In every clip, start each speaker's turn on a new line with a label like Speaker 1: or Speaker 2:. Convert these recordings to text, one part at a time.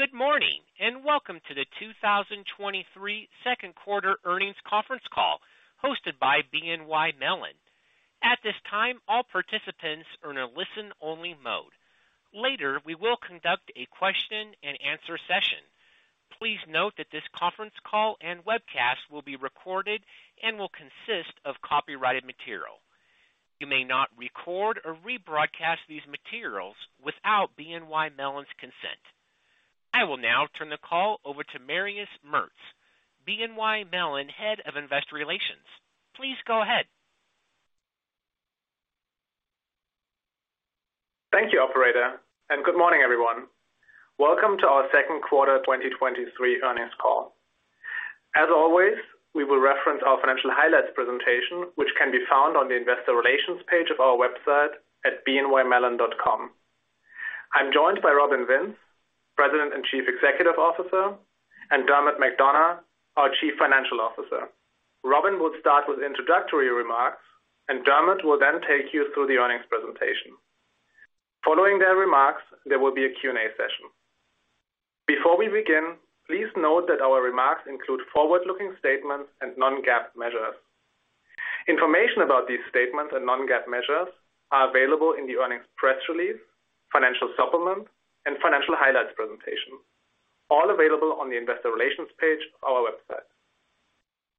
Speaker 1: Please stand by. Good morning, and welcome to the 2023 second quarter earnings conference call hosted by BNY Mellon. At this time, all participants are in a listen-only mode. Later, we will conduct a question-and-answer session. Please note that this conference call and webcast will be recorded and will consist of copyrighted material. You may not record or rebroadcast these materials without BNY Mellon's consent. I will now turn the call over to Marius Merz, BNY Mellon, Head of Investor Relations. Please go ahead.
Speaker 2: Thank you, operator. Good morning, everyone. Welcome to our second quarter 2023 earnings call. As always, we will reference our financial highlights presentation, which can be found on the investor relations page of our website at bnymellon.com. I'm joined by Robin Vince, President and Chief Executive Officer, and Dermot McDonogh, our Chief Financial Officer. Robin will start with introductory remarks. Dermot will take you through the earnings presentation. Following their remarks, there will be a Q&A session. Before we begin, please note that our remarks include forward-looking statements and non-GAAP measures. Information about these statements and non-GAAP measures are available in the earnings press release, financial supplement, and financial highlights presentation, all available on the investor relations page of our website.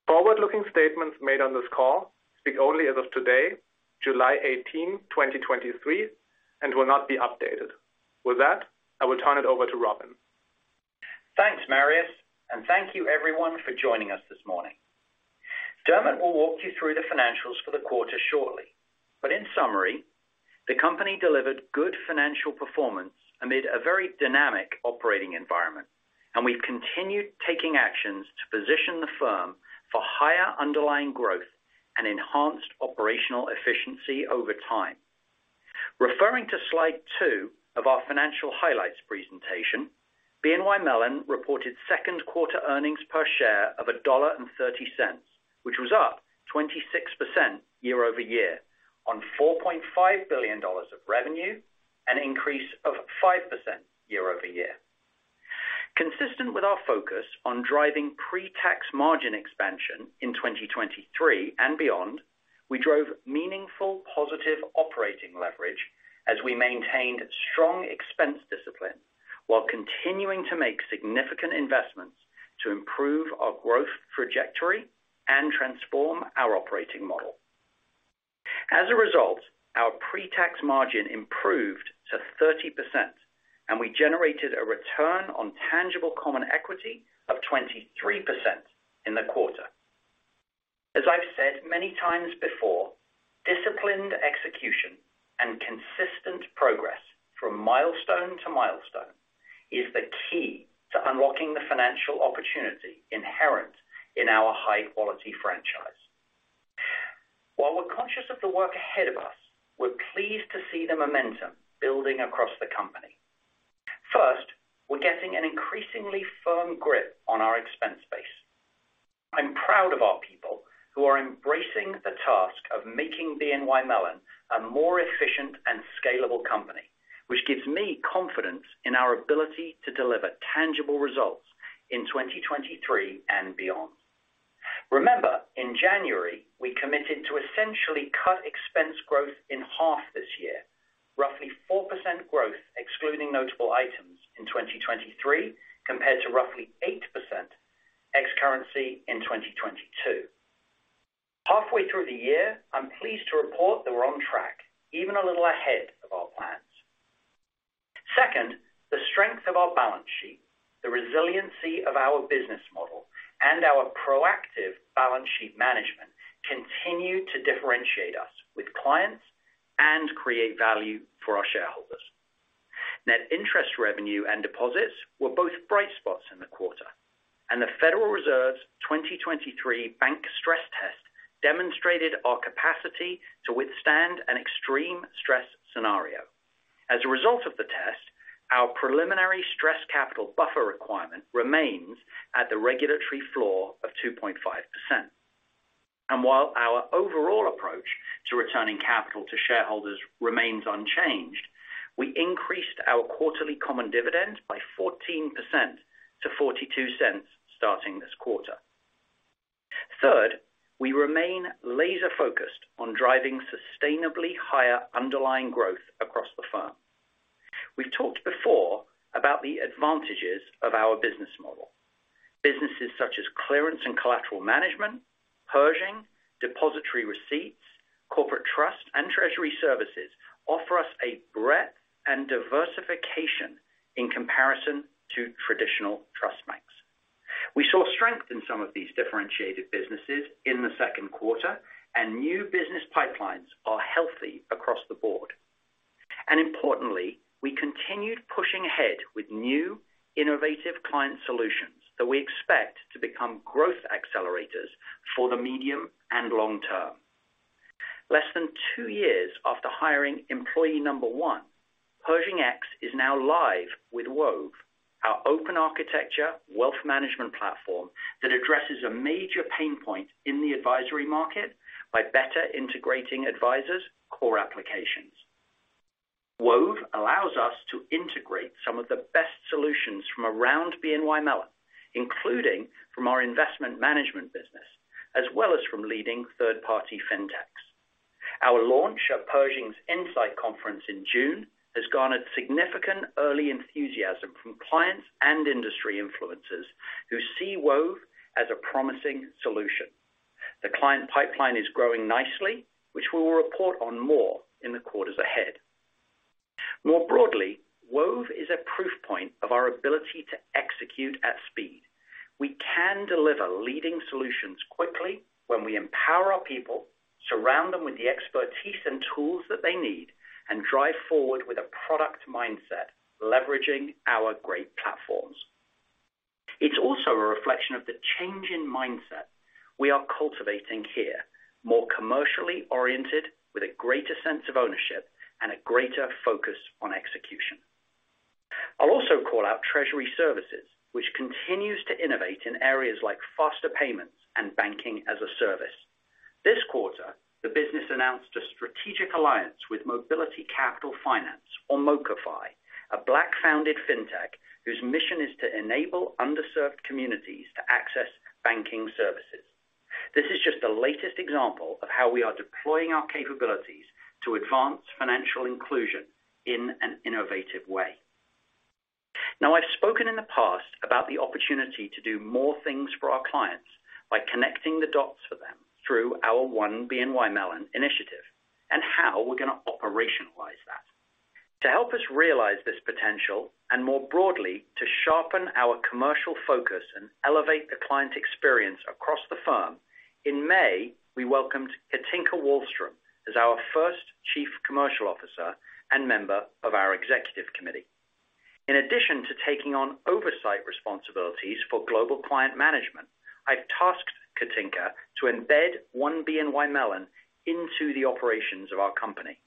Speaker 2: Forward-looking statements made on this call speak only as of today, July 18, 2023, and will not be updated. With that, I will turn it over to Robin.
Speaker 3: Thanks, Marius, thank you everyone for joining us this morning. Dermot will walk you through the financials for the quarter shortly, but in summary, the company delivered good financial performance amid a very dynamic operating environment, and we've continued taking actions to position the firm for higher underlying growth and enhanced operational efficiency over time. Referring to slide 2 of our financial highlights presentation, BNY Mellon reported second quarter earnings per share of $1.30, which was up 26% year-over-year on $4.5 billion of revenue, an increase of 5% year-over-year. Consistent with our focus on driving pre-tax margin expansion in 2023 and beyond, we drove meaningful positive operating leverage as we maintained strong expense discipline, while continuing to make significant investments to improve our growth trajectory and transform our operating model. As a result, our pre-tax margin improved to 30%. We generated a return on tangible common equity of 23% in the quarter. As I've said many times before, disciplined execution and consistent progress from milestone to milestone is the key to unlocking the financial opportunity inherent in our high-quality franchise. While we're conscious of the work ahead of us, we're pleased to see the momentum building across the company. First, we're getting an increasingly firm grip on our expense base. I'm proud of our people who are embracing the task of making BNY Mellon a more efficient and scalable company, which gives me confidence in our ability to deliver tangible results in 2023 and beyond. Remember, in January, we committed to essentially cut expense growth in half this year, roughly 4% growth, excluding notable items in 2023, compared to roughly 8% ex-currency in 2022. Halfway through the year, I'm pleased to report that we're on track, even a little ahead of our plans. Second, the strength of our balance sheet, the resiliency of our business model, and our proactive balance sheet management continue to differentiate us with clients and create value for our shareholders. Net interest revenue and deposits were both bright spots in the quarter. The Federal Reserve's 2023 bank stress test demonstrated our capacity to withstand an extreme stress scenario. As a result of the test, our preliminary stress capital buffer requirement remains at the regulatory floor of 2.5%. While our overall approach to returning capital to shareholders remains unchanged, we increased our quarterly common dividend by 14% to $0.42 starting this quarter. Third, we remain laser-focused on driving sustainably higher underlying growth across the firm. We've talked before about the advantages of our business model. Businesses such as clearance and collateral management, Pershing, depository receipts, corporate trust, and treasury services offer us a breadth and diversification in comparison to traditional trust banks. We saw strength in some of these differentiated businesses in the second quarter, new business pipelines are healthy across the board. Importantly, we continued pushing ahead with new, innovative client solutions that we expect to become growth accelerators for the medium and long term. Less than two years after hiring employee number one. Pershing X is now live with Wove, our open architecture wealth management platform that addresses a major pain point in the advisory market by better integrating advisors' core applications. Wove allows us to integrate some of the best solutions from around BNY Mellon, including from our investment management business, as well as from leading third-party fintechs. Our launch at Pershing's INSITE Conference in June has garnered significant early enthusiasm from clients and industry influencers who see Wove as a promising solution. The client pipeline is growing nicely, which we'll report on more in the quarters ahead. More broadly, Wove is a proof point of our ability to execute at speed. We can deliver leading solutions quickly when we empower our people, surround them with the expertise and tools that they need, and drive forward with a product mindset, leveraging our great platforms. It's also a reflection of the change in mindset we are cultivating here, more commercially oriented, with a greater sense of ownership and a greater focus on execution. I'll also call out treasury services, which continues to innovate in areas like faster payments and banking as a service. This quarter, the business announced a strategic alliance with Mobility Capital Finance, or MoCaFi, a Black-founded fintech whose mission is to enable underserved communities to access banking services. This is just the latest example of how we are deploying our capabilities to advance financial inclusion in an innovative way. I've spoken in the past about the opportunity to do more things for our clients by connecting the dots for them through our ONE BNY Mellon initiative, and how we're gonna operationalize that. To help us realize this potential, and more broadly, to sharpen our commercial focus and elevate the client experience across the firm, in May, we welcomed Cathinka Wahlstrom as our first Chief Commercial Officer and member of our executive committee. In addition to taking on oversight responsibilities for global client management, I've tasked Cathinka to embed ONE BNY Mellon into the operations of our company.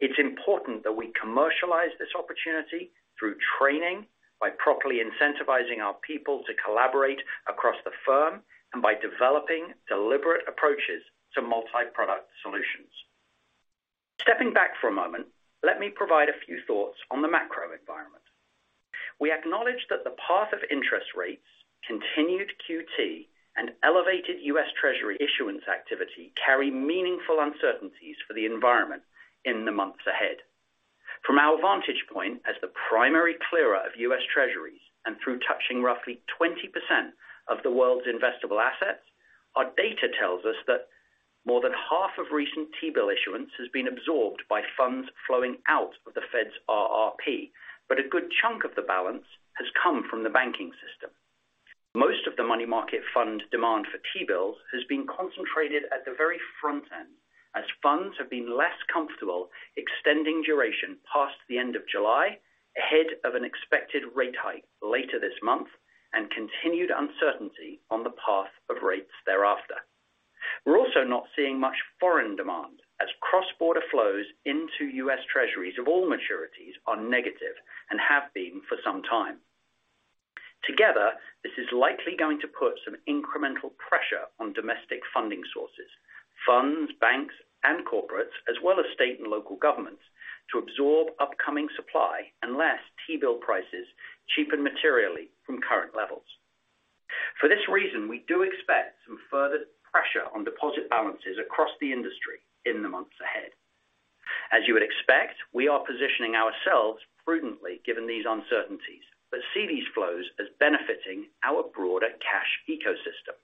Speaker 3: It's important that we commercialize this opportunity through training, by properly incentivizing our people to collaborate across the firm, and by developing deliberate approaches to multi-product solutions. Stepping back for a moment, let me provide a few thoughts on the macro environment. We acknowledge that the path of interest rates, continued QT, and elevated U.S. Treasury issuance activity carry meaningful uncertainties for the environment in the months ahead. From our vantage point as the primary clearer of U.S. Treasuries, and through touching roughly 20% of the world's investable assets, our data tells us that more than half of recent T-bill issuance has been absorbed by funds flowing out of the Fed's RRP, but a good chunk of the balance has come from the banking system. Most of the money market fund demand for T-bills has been concentrated at the very front end, as funds have been less comfortable extending duration past the end of July, ahead of an expected rate hike later this month, and continued uncertainty on the path of rates thereafter. We're also not seeing much foreign demand, as cross-border flows into U.S. Treasuries of all maturities are negative and have been for some time. Together, this is likely going to put some incremental pressure on domestic funding sources, funds, banks, and corporates, as well as state and local governments, to absorb upcoming supply unless T-bill prices cheapen materially from current levels. For this reason, we do expect some further pressure on deposit balances across the industry in the months ahead. As you would expect, we are positioning ourselves prudently given these uncertainties, but see these flows as benefiting our broader cash ecosystem.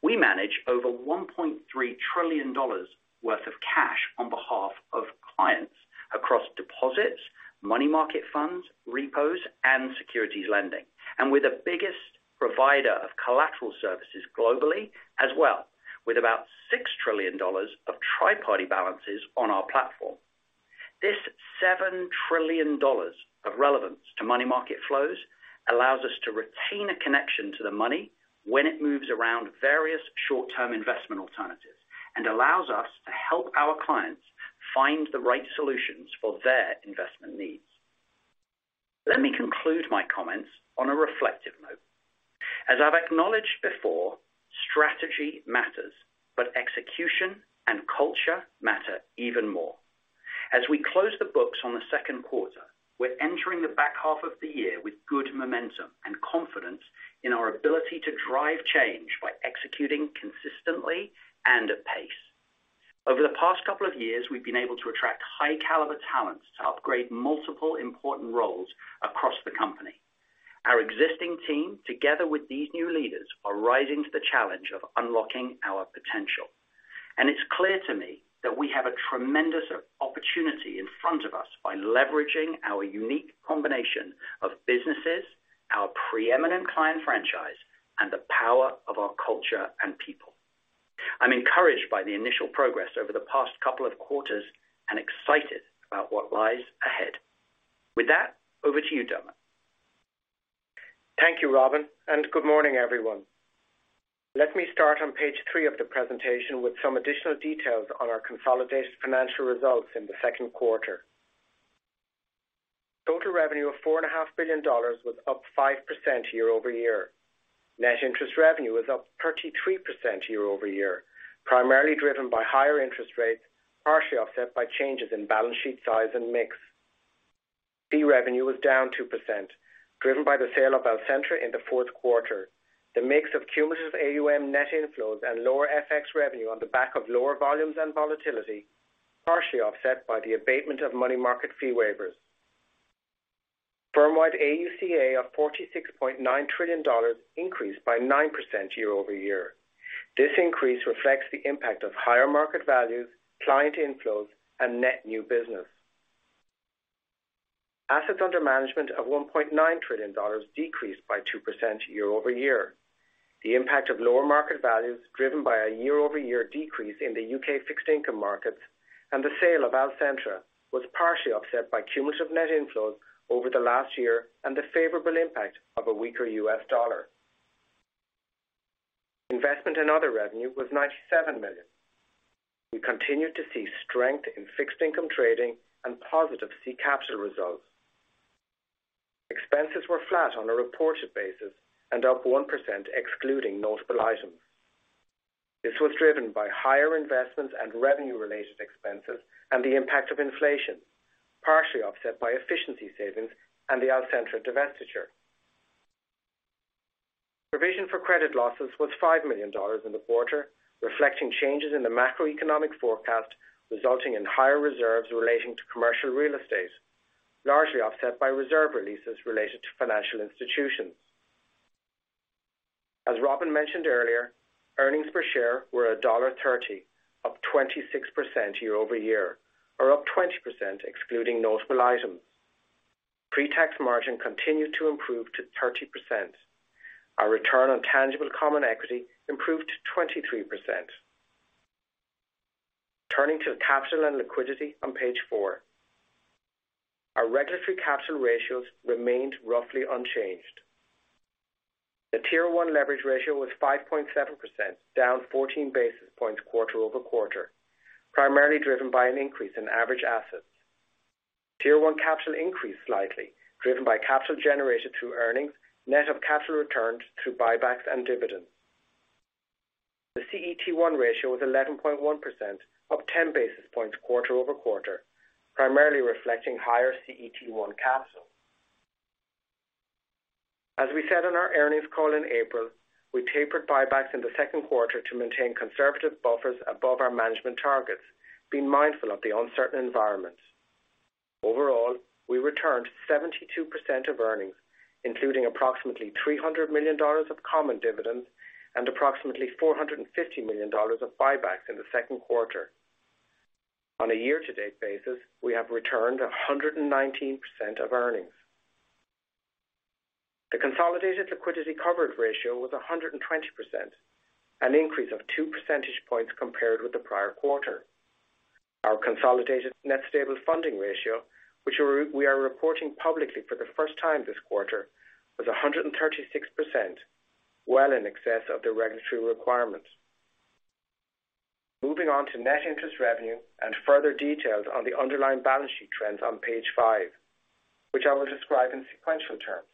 Speaker 3: We manage over $1.3 trillion worth of cash on behalf of clients across deposits, money market funds, repos, and securities lending, and we're the biggest provider of collateral services globally as well, with about $6 trillion of tri-party balances on our platform. This $7 trillion of relevance to money market flows allows us to retain a connection to the money when it moves around various short-term investment alternatives, and allows us to help our clients find the right solutions for their investment needs. Let me conclude my comments on a reflective note. As I've acknowledged before, strategy matters, but execution and culture matter even more. As we close the books on the second quarter, we're entering the back half of the year with good momentum and confidence in our ability to drive change by executing consistently and at pace. Over the past couple of years, we've been able to attract high caliber talents to upgrade multiple important roles across the company. Our existing team, together with these new leaders, are rising to the challenge of unlocking our potential. It's clear to me that we have a tremendous opportunity in front of us by leveraging our unique combination of businesses, our preeminent client franchise, and the power of our culture and people. I'm encouraged by the initial progress over the past couple of quarters and excited about what lies ahead. With that, over to you, Dermot. ...
Speaker 4: Thank you, Robin, and good morning, everyone. Let me start on page 3 of the presentation with some additional details on our consolidated financial results in the second quarter. Total revenue of $4.5 billion was up 5% year-over-year. Net interest revenue was up 33% year-over-year, primarily driven by higher interest rates, partially offset by changes in balance sheet size and mix. Fee revenue was down 2%, driven by the sale of Alcentra in the fourth quarter. The mix of cumulative AUM net inflows and lower FX revenue on the back of lower volumes and volatility, partially offset by the abatement of money market fee waivers. Firm-wide AUCA of $46.9 trillion increased by 9% year-over-year. This increase reflects the impact of higher market values, client inflows, and net new business. Assets under management of $1.9 trillion decreased by 2% year-over-year. The impact of lower market values, driven by a year-over-year decrease in the U.K. fixed income markets and the sale of Alcentra, was partially offset by cumulative net inflows over the last year and the favorable impact of a weaker U.S. dollar. Investment in other revenue was $97 million. We continued to see strength in fixed income trading and positive C capital results. Expenses were flat on a reported basis and up 1%, excluding notable items. This was driven by higher investments and revenue-related expenses and the impact of inflation, partially offset by efficiency savings and the Alcentra divestiture. Provision for credit losses was $5 million in the quarter, reflecting changes in the macroeconomic forecast, resulting in higher reserves relating to commercial real estate, largely offset by reserve releases related to financial institutions. As Robin mentioned earlier, earnings per share were $1.30, up 26% year-over-year, or up 20%, excluding notable items. Pre-tax margin continued to improve to 30%. Our return on tangible common equity improved to 23%. Turning to capital and liquidity on page 4. Our regulatory capital ratios remained roughly unchanged. The Tier 1 leverage ratio was 5.7%, down 14 basis points quarter-over-quarter, primarily driven by an increase in average assets. Tier 1 capital increased slightly, driven by capital generated through earnings, net of capital returned through buybacks and dividends. The CET1 ratio was 11.1%, up 10 basis points quarter-over-quarter, primarily reflecting higher CET1 capital. As we said on our earnings call in April, we tapered buybacks in the second quarter to maintain conservative buffers above our management targets, being mindful of the uncertain environment. Overall, we returned 72% of earnings, including approximately $300 million of common dividends and approximately $450 million of buybacks in the second quarter. On a year-to-date basis, we have returned 119% of earnings. The consolidated liquidity coverage ratio was 120%, an increase of two percentage points compared with the prior quarter. Our consolidated net stable funding ratio, which we are reporting publicly for the first time this quarter, was 136%, well in excess of the regulatory requirements. Moving on to net interest revenue and further details on the underlying balance sheet trends on page five, which I will describe in sequential terms.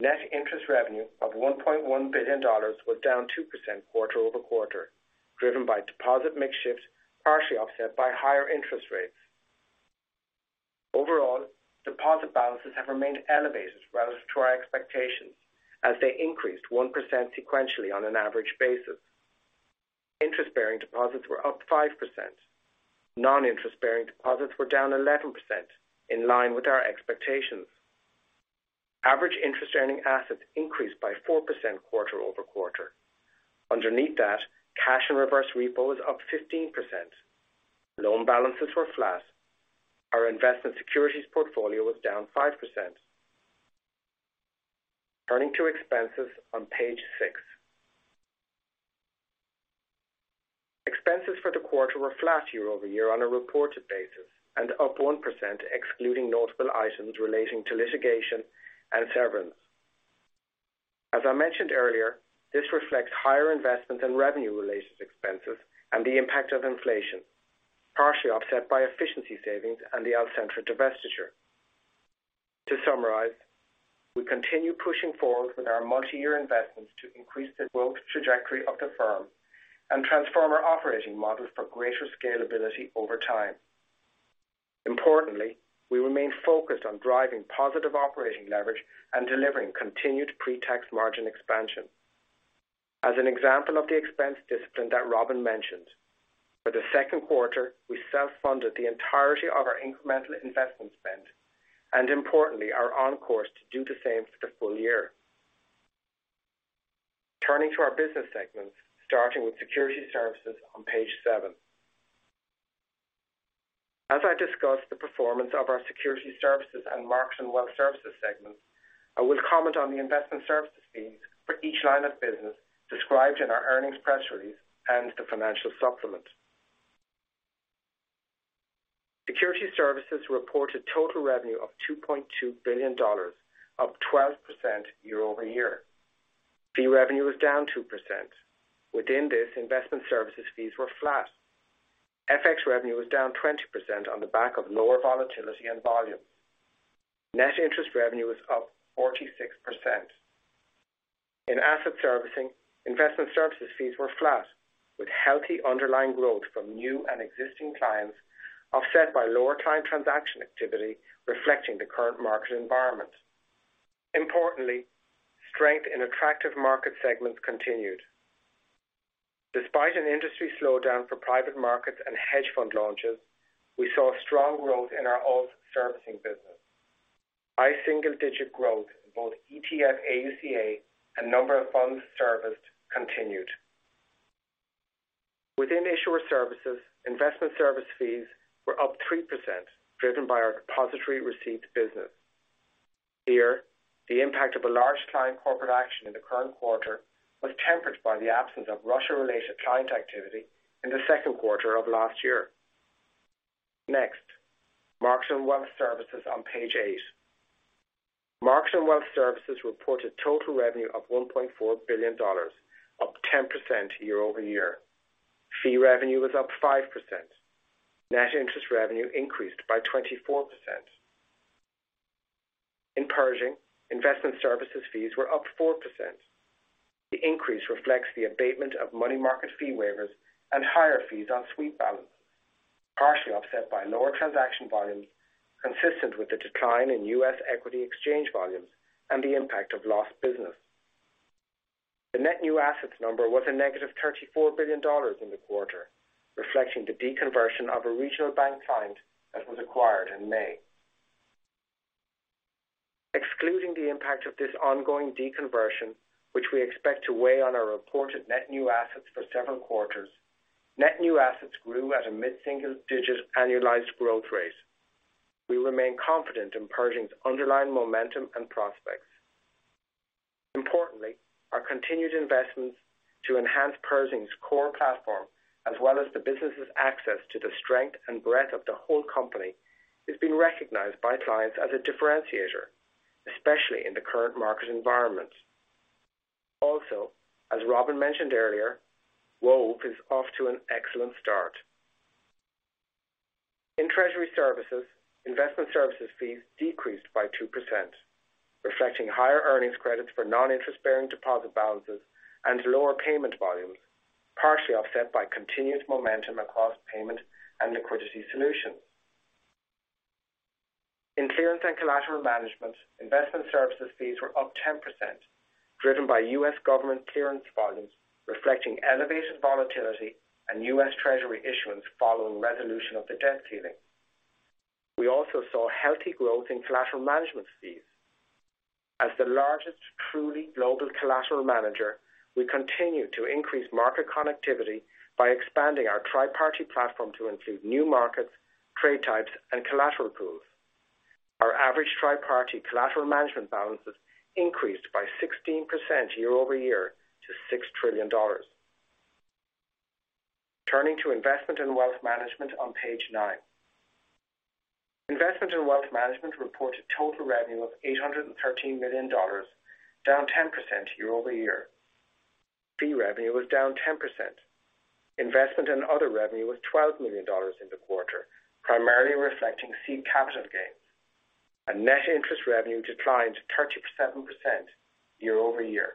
Speaker 4: Net interest revenue of $1.1 billion was down 2% quarter-over-quarter, driven by deposit mix shifts, partially offset by higher interest rates. Overall, deposit balances have remained elevated relative to our expectations as they increased 1% sequentially on an average basis. Interest-bearing deposits were up 5%. Non-interest-bearing deposits were down 11%, in line with our expectations. Average interest-earning assets increased by 4% quarter-over-quarter. Underneath that, cash and reverse repo was up 15%. Loan balances were flat. Our investment securities portfolio was down 5%. Turning to expenses on page six. Expenses for the quarter were flat year-over-year on a reported basis, and up 1% excluding notable items relating to litigation and severance. As I mentioned earlier, this reflects higher investment and revenue-related expenses and the impact of inflation, partially offset by efficiency savings and the Alcentra divestiture. To summarize, we continue pushing forward with our multi-year investments to increase the growth trajectory of the firm and transform our operating model for greater scalability over time. Importantly, we remain focused on driving positive operating leverage and delivering continued pre-tax margin expansion. As an example of the expense discipline that Robin mentioned, for the second quarter, we self-funded the entirety of our incremental investment spend and importantly, are on course to do the same for the full year. Turning to our business segments, starting with Securities Services on page 7. As I discuss the performance of our Security Services and Market and Wealth Services segments, I will comment on the investment services fees for each line of business described in our earnings press release and the financial supplement. Security Services reported total revenue of $2.2 billion, up 12% year-over-year. Fee revenue was down 2%. Within this, investment services fees were flat. FX revenue was down 20% on the back of lower volatility and volume. Net interest revenue was up 46%. In Asset Servicing, investment services fees were flat, with healthy underlying growth from new and existing clients, offset by lower client transaction activity reflecting the current market environment. Importantly, strength in attractive market segments continued. Despite an industry slowdown for private markets and hedge fund launches, we saw strong growth in our alt servicing business. High single-digit growth in both ETF AUA and number of funds serviced continued. Within issuer services, investment service fees were up 3%, driven by our depository receipts business. Here, the impact of a large client corporate action in the current quarter was tempered by the absence of Russia-related client activity in the second quarter of last year. Next, Market and Wealth Services on page 8. Market and Wealth Services reported total revenue of $1.4 billion, up 10% year-over-year. Fee revenue was up 5%. Net interest revenue increased by 24%. In Pershing, investment services fees were up 4%. The increase reflects the abatement of money market fee waivers and higher fees on sweep balance, partially offset by lower transaction volumes, consistent with the decline in U.S. equity exchange volumes and the impact of lost business. The net new assets number was a negative $34 billion in the quarter, reflecting the deconversion of a regional bank client that was acquired in May. Excluding the impact of this ongoing deconversion, which we expect to weigh on our reported net new assets for several quarters, net new assets grew at a mid-single digit annualized growth rate. We remain confident in Pershing's underlying momentum and prospects. Importantly, our continued investments to enhance Pershing's core platform, as well as the business's access to the strength and breadth of the whole company, is being recognized by clients as a differentiator, especially in the current market environment. As Robin mentioned earlier, Wove is off to an excellent start. In Treasury Services, investment services fees decreased by 2%, reflecting higher earnings credits for non-interest-bearing deposit balances and lower payment volumes, partially offset by continued momentum across payment and liquidity solutions. In Clearance and Collateral Management, investment services fees were up 10%, driven by U.S. government clearance volumes, reflecting elevated volatility and U.S. Treasury issuance following resolution of the debt ceiling. We also saw healthy growth in collateral management fees. As the largest, truly global collateral manager, we continue to increase market connectivity by expanding our tri-party platform to include new markets, trade types, and collateral pools. Our average tri-party collateral management balances increased by 16% year-over-year to $6 trillion. Turning to Investment and Wealth Management on page 9. Investment and Wealth Management reported total revenue of $813 million, down 10% year-over-year. Fee revenue was down 10%. Investment and other revenue was $12 million in the quarter, primarily reflecting seed capital gains. Net interest revenue declined 37% year-over-year.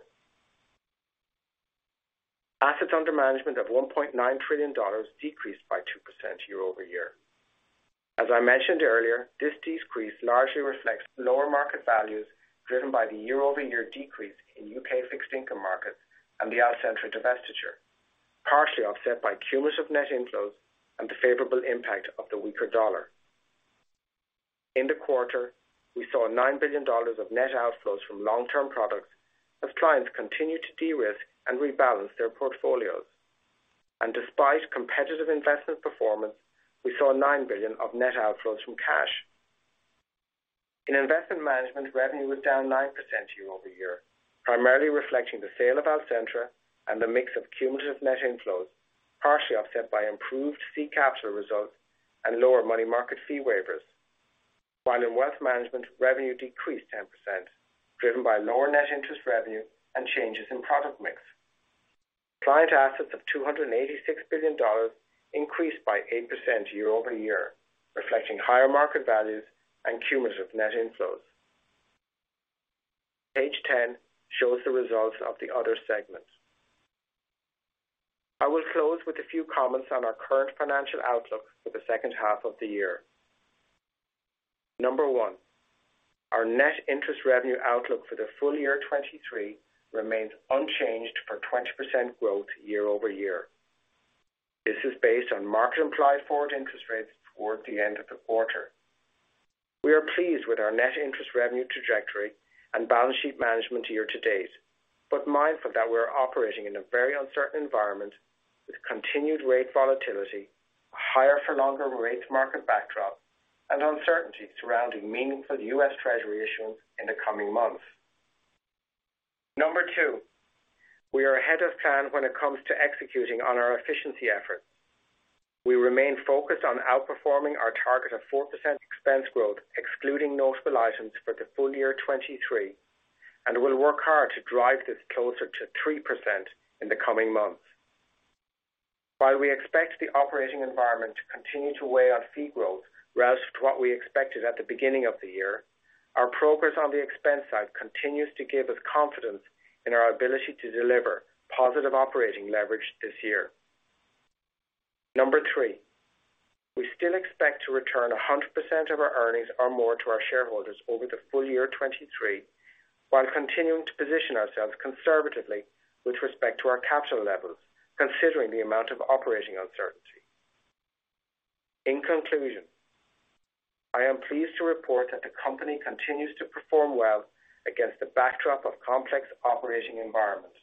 Speaker 4: Assets under management of $1.9 trillion decreased by 2% year-over-year. As I mentioned earlier, this decrease largely reflects lower market values, driven by the year-over-year decrease in U.K. fixed income markets and the Alcentra divestiture, partially offset by cumulative net inflows and the favorable impact of the weaker dollar. In the quarter, we saw $9 billion of net outflows from long-term products as clients continued to de-risk and rebalance their portfolios. Despite competitive investment performance, we saw $9 billion of net outflows from cash. In investment management, revenue was down 9% year-over-year, primarily reflecting the sale of Alcentra and the mix of cumulative net inflows, partially offset by improved fee capital results and lower money market fee waivers. While in wealth management, revenue decreased 10%, driven by lower net interest revenue and changes in product mix. Client assets of $286 billion increased by 8% year-over-year, reflecting higher market values and cumulative net inflows. Page 10 shows the results of the other segments. I will close with a few comments on our current financial outlook for the second half of the year. Number one, our net interest revenue outlook for the full year 2023 remains unchanged for 20% growth year-over-year. This is based on market implied forward interest rates toward the end of the quarter. We are pleased with our net interest revenue trajectory and balance sheet management year-to-date, but mindful that we are operating in a very uncertain environment with continued rate volatility, higher for longer rates market backdrop, and uncertainty surrounding meaningful U.S. Treasury issuance in the coming months. Number two, we are ahead of plan when it comes to executing on our efficiency efforts. We remain focused on outperforming our target of 4% expense growth, excluding notable items for the full year 2023, and we'll work hard to drive this closer to 3% in the coming months. While we expect the operating environment to continue to weigh on fee growth relative to what we expected at the beginning of the year, our progress on the expense side continues to give us confidence in our ability to deliver positive operating leverage this year. Number three, we still expect to return 100% of our earnings or more to our shareholders over the full year 2023, while continuing to position ourselves conservatively with respect to our capital levels, considering the amount of operating uncertainty. In conclusion, I am pleased to report that the company continues to perform well against the backdrop of complex operating environments,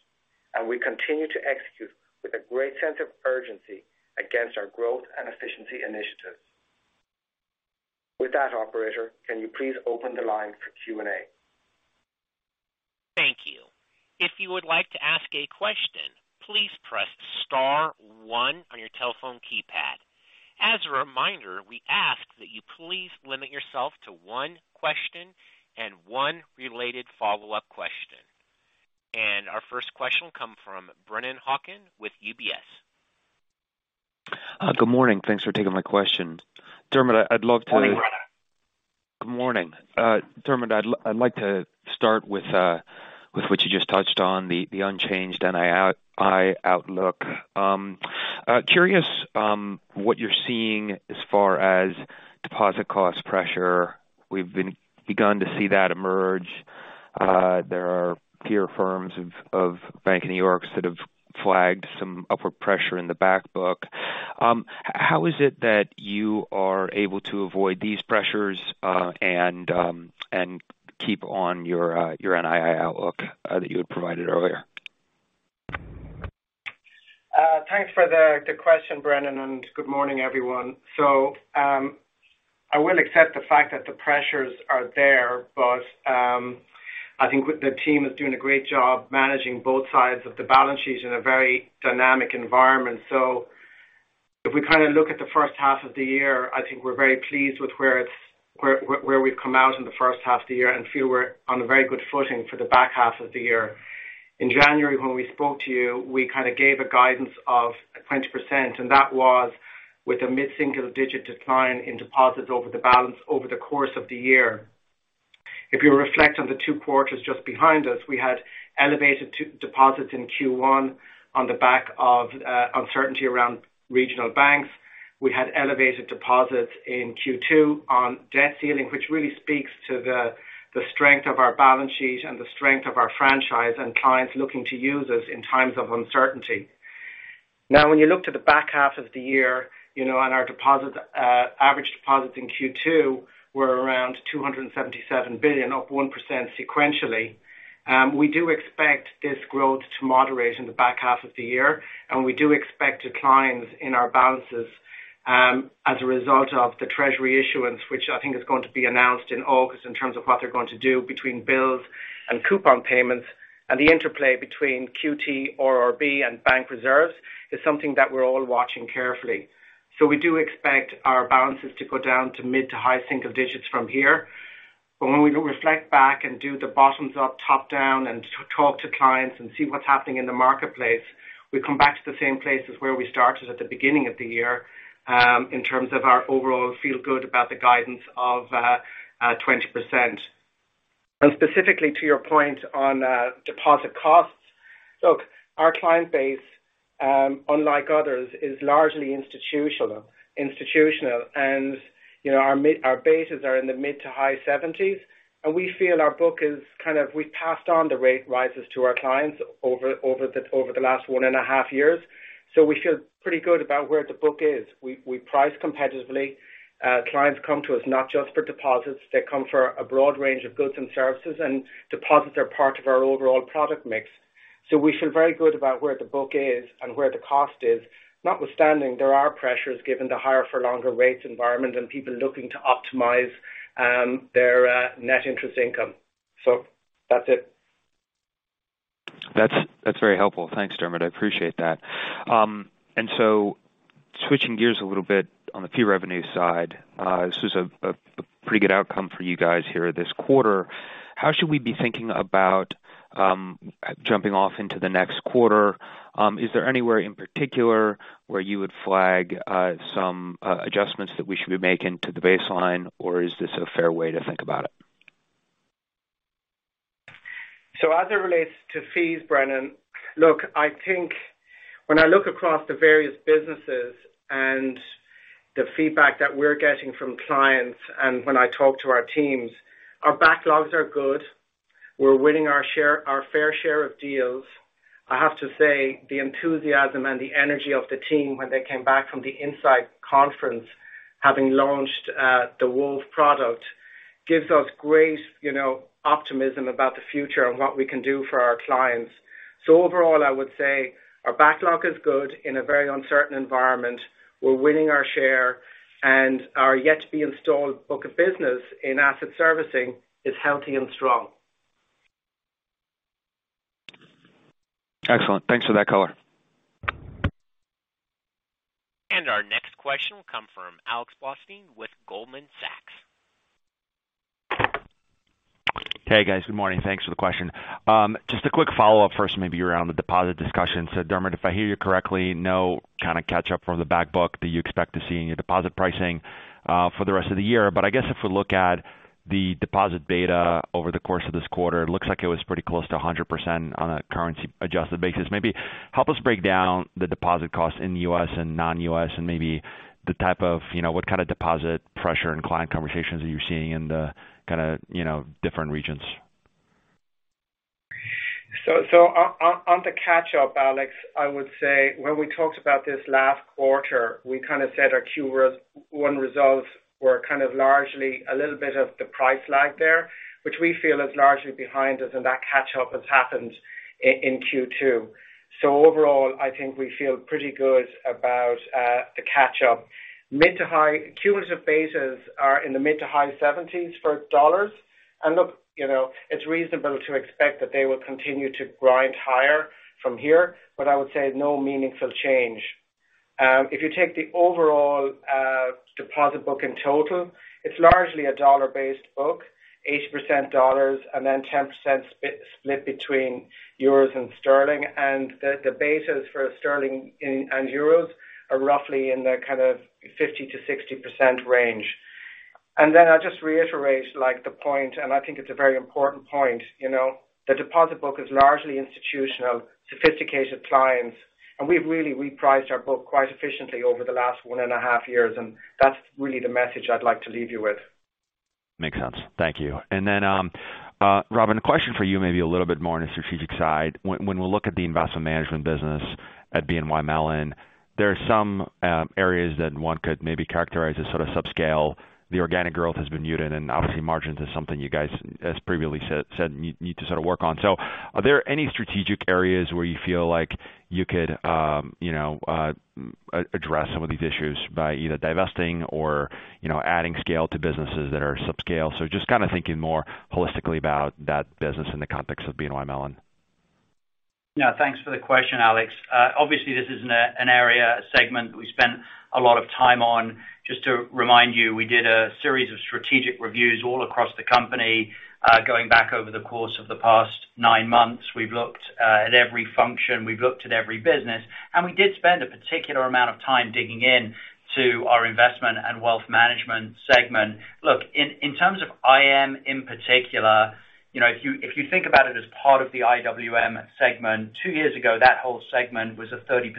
Speaker 4: and we continue to execute with a great sense of urgency against our growth and efficiency initiatives. With that, operator, can you please open the line for Q&A?
Speaker 1: Thank you. If you would like to ask a question, please press star one on your telephone keypad. As a reminder, we ask that you please limit yourself to one question and one related follow-up question. Our first question will come from Brennan Hawken with UBS.
Speaker 5: Good morning. Thanks for taking my question. Dermot,
Speaker 4: Morning, Brennan.
Speaker 5: Good morning. Dermot, I'd like to start with what you just touched on, the unchanged NII outlook. Curious what you're seeing as far as deposit cost pressure. We've begun to see that emerge. There are peer firms of Bank of New York that have flagged some upward pressure in the back book. How is it that you are able to avoid these pressures and keep on your NII outlook that you had provided earlier?
Speaker 4: Thanks for the question, Brennan, and good morning, everyone. I will accept the fact that the pressures are there, but I think the team is doing a great job managing both sides of the balance sheet in a very dynamic environment. If we kind of look at the first half of the year, I think we're very pleased with where we've come out in the first half of the year and feel we're on a very good footing for the back half of the year. In January, when we spoke to you, we kind of gave a guidance of 20%, and that was with a mid-single digit decline in deposits over the course of the year. If you reflect on the two quarters just behind us, we had elevated deposits in Q1 on the back of uncertainty around regional banks. We had elevated deposits in Q2 on debt ceiling, which really speaks to the strength of our balance sheet and the strength of our franchise and clients looking to use us in times of uncertainty. Now, when you look to the back half of the year, you know, and our deposit average deposits in Q2 were around $277 billion, up 1% sequentially. We do expect this growth to moderate in the back half of the year, and we do expect declines in our balances as a result of the treasury issuance, which I think is going to be announced in August in terms of what they're going to do between bills and coupon payments. The interplay between QT, RRP, and bank reserves is something that we're all watching carefully. We do expect our balances to go down to mid to high single digits from here. When we reflect back and do the bottoms up, top down and talk to clients and see what's happening in the marketplace, we come back to the same place as where we started at the beginning of the year, in terms of our overall feel good about the guidance of 20%. Specifically, to your point on deposit costs. Look, our client base, unlike others, is largely institutional, and, you know, our bases are in the mid to high seventies, and we feel our book is kind of... We passed on the rate rises to our clients over the last one and a half years. We feel pretty good about where the book is. We price competitively. Clients come to us not just for deposits, they come for a broad range of goods and services, and deposits are part of our overall product mix. We feel very good about where the book is and where the cost is. Notwithstanding, there are pressures given the higher for longer rates environment and people looking to optimize their net interest income. That's it.
Speaker 5: That's very helpful. Thanks, Dermot. I appreciate that. Switching gears a little bit on the fee revenue side, this was a pretty good outcome for you guys here this quarter. How should we be thinking about jumping off into the next quarter? Is there anywhere in particular where you would flag some adjustments that we should be making to the baseline, or is this a fair way to think about it?
Speaker 4: As it relates to fees, Brennan, look, I think when I look across the various businesses and the feedback that we're getting from clients, and when I talk to our teams, our backlogs are good. We're winning our fair share of deals. I have to say, the enthusiasm and the energy of the team when they came back from the INSITE conference, having launched the Wove product, gives us great, you know, optimism about the future and what we can do for our clients. Overall, I would say our backlog is good in a very uncertain environment. We're winning our share, and our yet-to-be-installed book of business in asset servicing is healthy and strong.
Speaker 5: Excellent. Thanks for that color.
Speaker 1: Our next question will come from Alex Blostein with Goldman Sachs.
Speaker 6: Hey, guys. Good morning. Thanks for the question. Just a quick follow-up first, maybe around the deposit discussion. Dermot, if I hear you correctly, no kind of catch up from the back book that you expect to see in your deposit pricing for the rest of the year. I guess if we look at the deposit data over the course of this quarter, it looks like it was pretty close to 100% on a currency-adjusted basis. Maybe help us break down the deposit costs in the U.S. and non-U.S., and maybe the type of, you know, what kind of deposit pressure and client conversations are you seeing in the, kind of, you know, different regions?
Speaker 4: On the catch-up, Alex, I would say when we talked about this last quarter, we kind of said our Q1 results were kind of largely a little bit of the price lag there, which we feel is largely behind us, and that catch-up has happened in Q2. Overall, I think we feel pretty good about the catch-up. Mid to high cumulative bases are in the mid to high 70s percentage for dollars. Look, you know, it's reasonable to expect that they will continue to grind higher from here, but I would say no meaningful change. If you take the overall deposit book in total, it's largely a dollar-based book, 80% dollars, and then 10% split between euros and sterling. The, the bases for sterling and euros are roughly in the kind of 50%-60% range. Then I'll just reiterate, like, the point, and I think it's a very important point, you know, the deposit book is largely institutional, sophisticated clients, and we've really repriced our book quite efficiently over the last 1.5 years, and that's really the message I'd like to leave you with.
Speaker 6: Makes sense. Thank you. Robin, a question for you, maybe a little bit more on the strategic side. When we look at the investment management business at BNY Mellon, there are some areas that one could maybe characterize as sort of subscale. The organic growth has been muted, and obviously, margins is something you guys, as previously said, need to sort of work on. Are there any strategic areas where you feel like you could, you know, address some of these issues by either divesting or, you know, adding scale to businesses that are subscale? Just kind of thinking more holistically about that business in the context of BNY Mellon.
Speaker 3: Yeah, thanks for the question, Alex. Obviously, this isn't an area, a segment that we spent a lot of time on. Just to remind you, we did a series of strategic reviews all across the company, going back over the course of the past 9 months. We've looked at every function, we've looked at every business, and we did spend a particular amount of time digging in to our investment and wealth management segment. Look, in terms of IM in particular, you know, if you, if you think about it as part of the IWM segment, two years ago, that whole segment was a 30%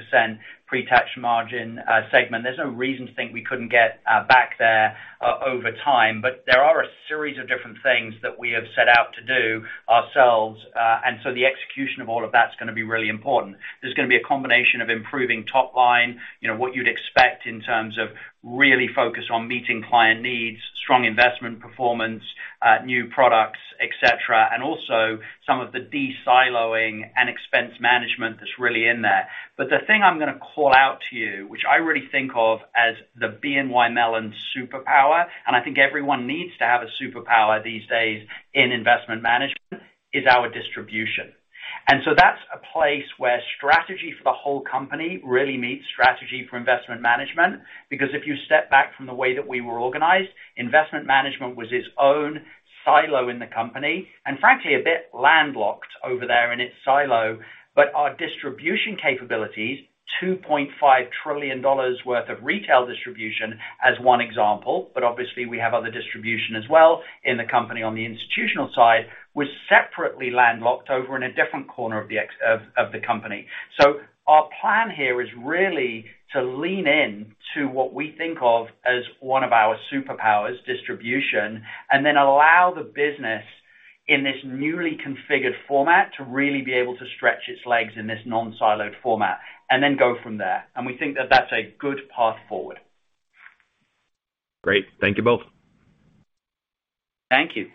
Speaker 3: pre-tax margin segment. There's no reason to think we couldn't get back there over time. There are a series of different things that we have set out to do ourselves. The execution of all of that's gonna be really important. There's gonna be a combination of improving top line, you know, what you'd expect in terms of really focus on meeting client needs, strong investment performance, new products, et cetera, and also some of the de-siloing and expense management that's really in there. The thing I'm gonna call out to you, which I really think of as the BNY Mellon superpower, and I think everyone needs to have a superpower these days in investment management, is our distribution. That's a place where strategy for the whole company really meets strategy for investment management. If you step back from the way that we were organized, investment management was its own silo in the company, and frankly, a bit landlocked over there in its silo. Our distribution capabilities, $2.5 trillion worth of retail distribution, as one example, but obviously we have other distribution as well in the company on the institutional side, was separately landlocked over in a different corner of the company. Our plan here is really to lean in to what we think of as one of our superpowers, distribution, and then allow the business in this newly configured format to really be able to stretch its legs in this non-siloed format, and then go from there. We think that that's a good path forward.
Speaker 6: Great. Thank you both.
Speaker 3: Thank you.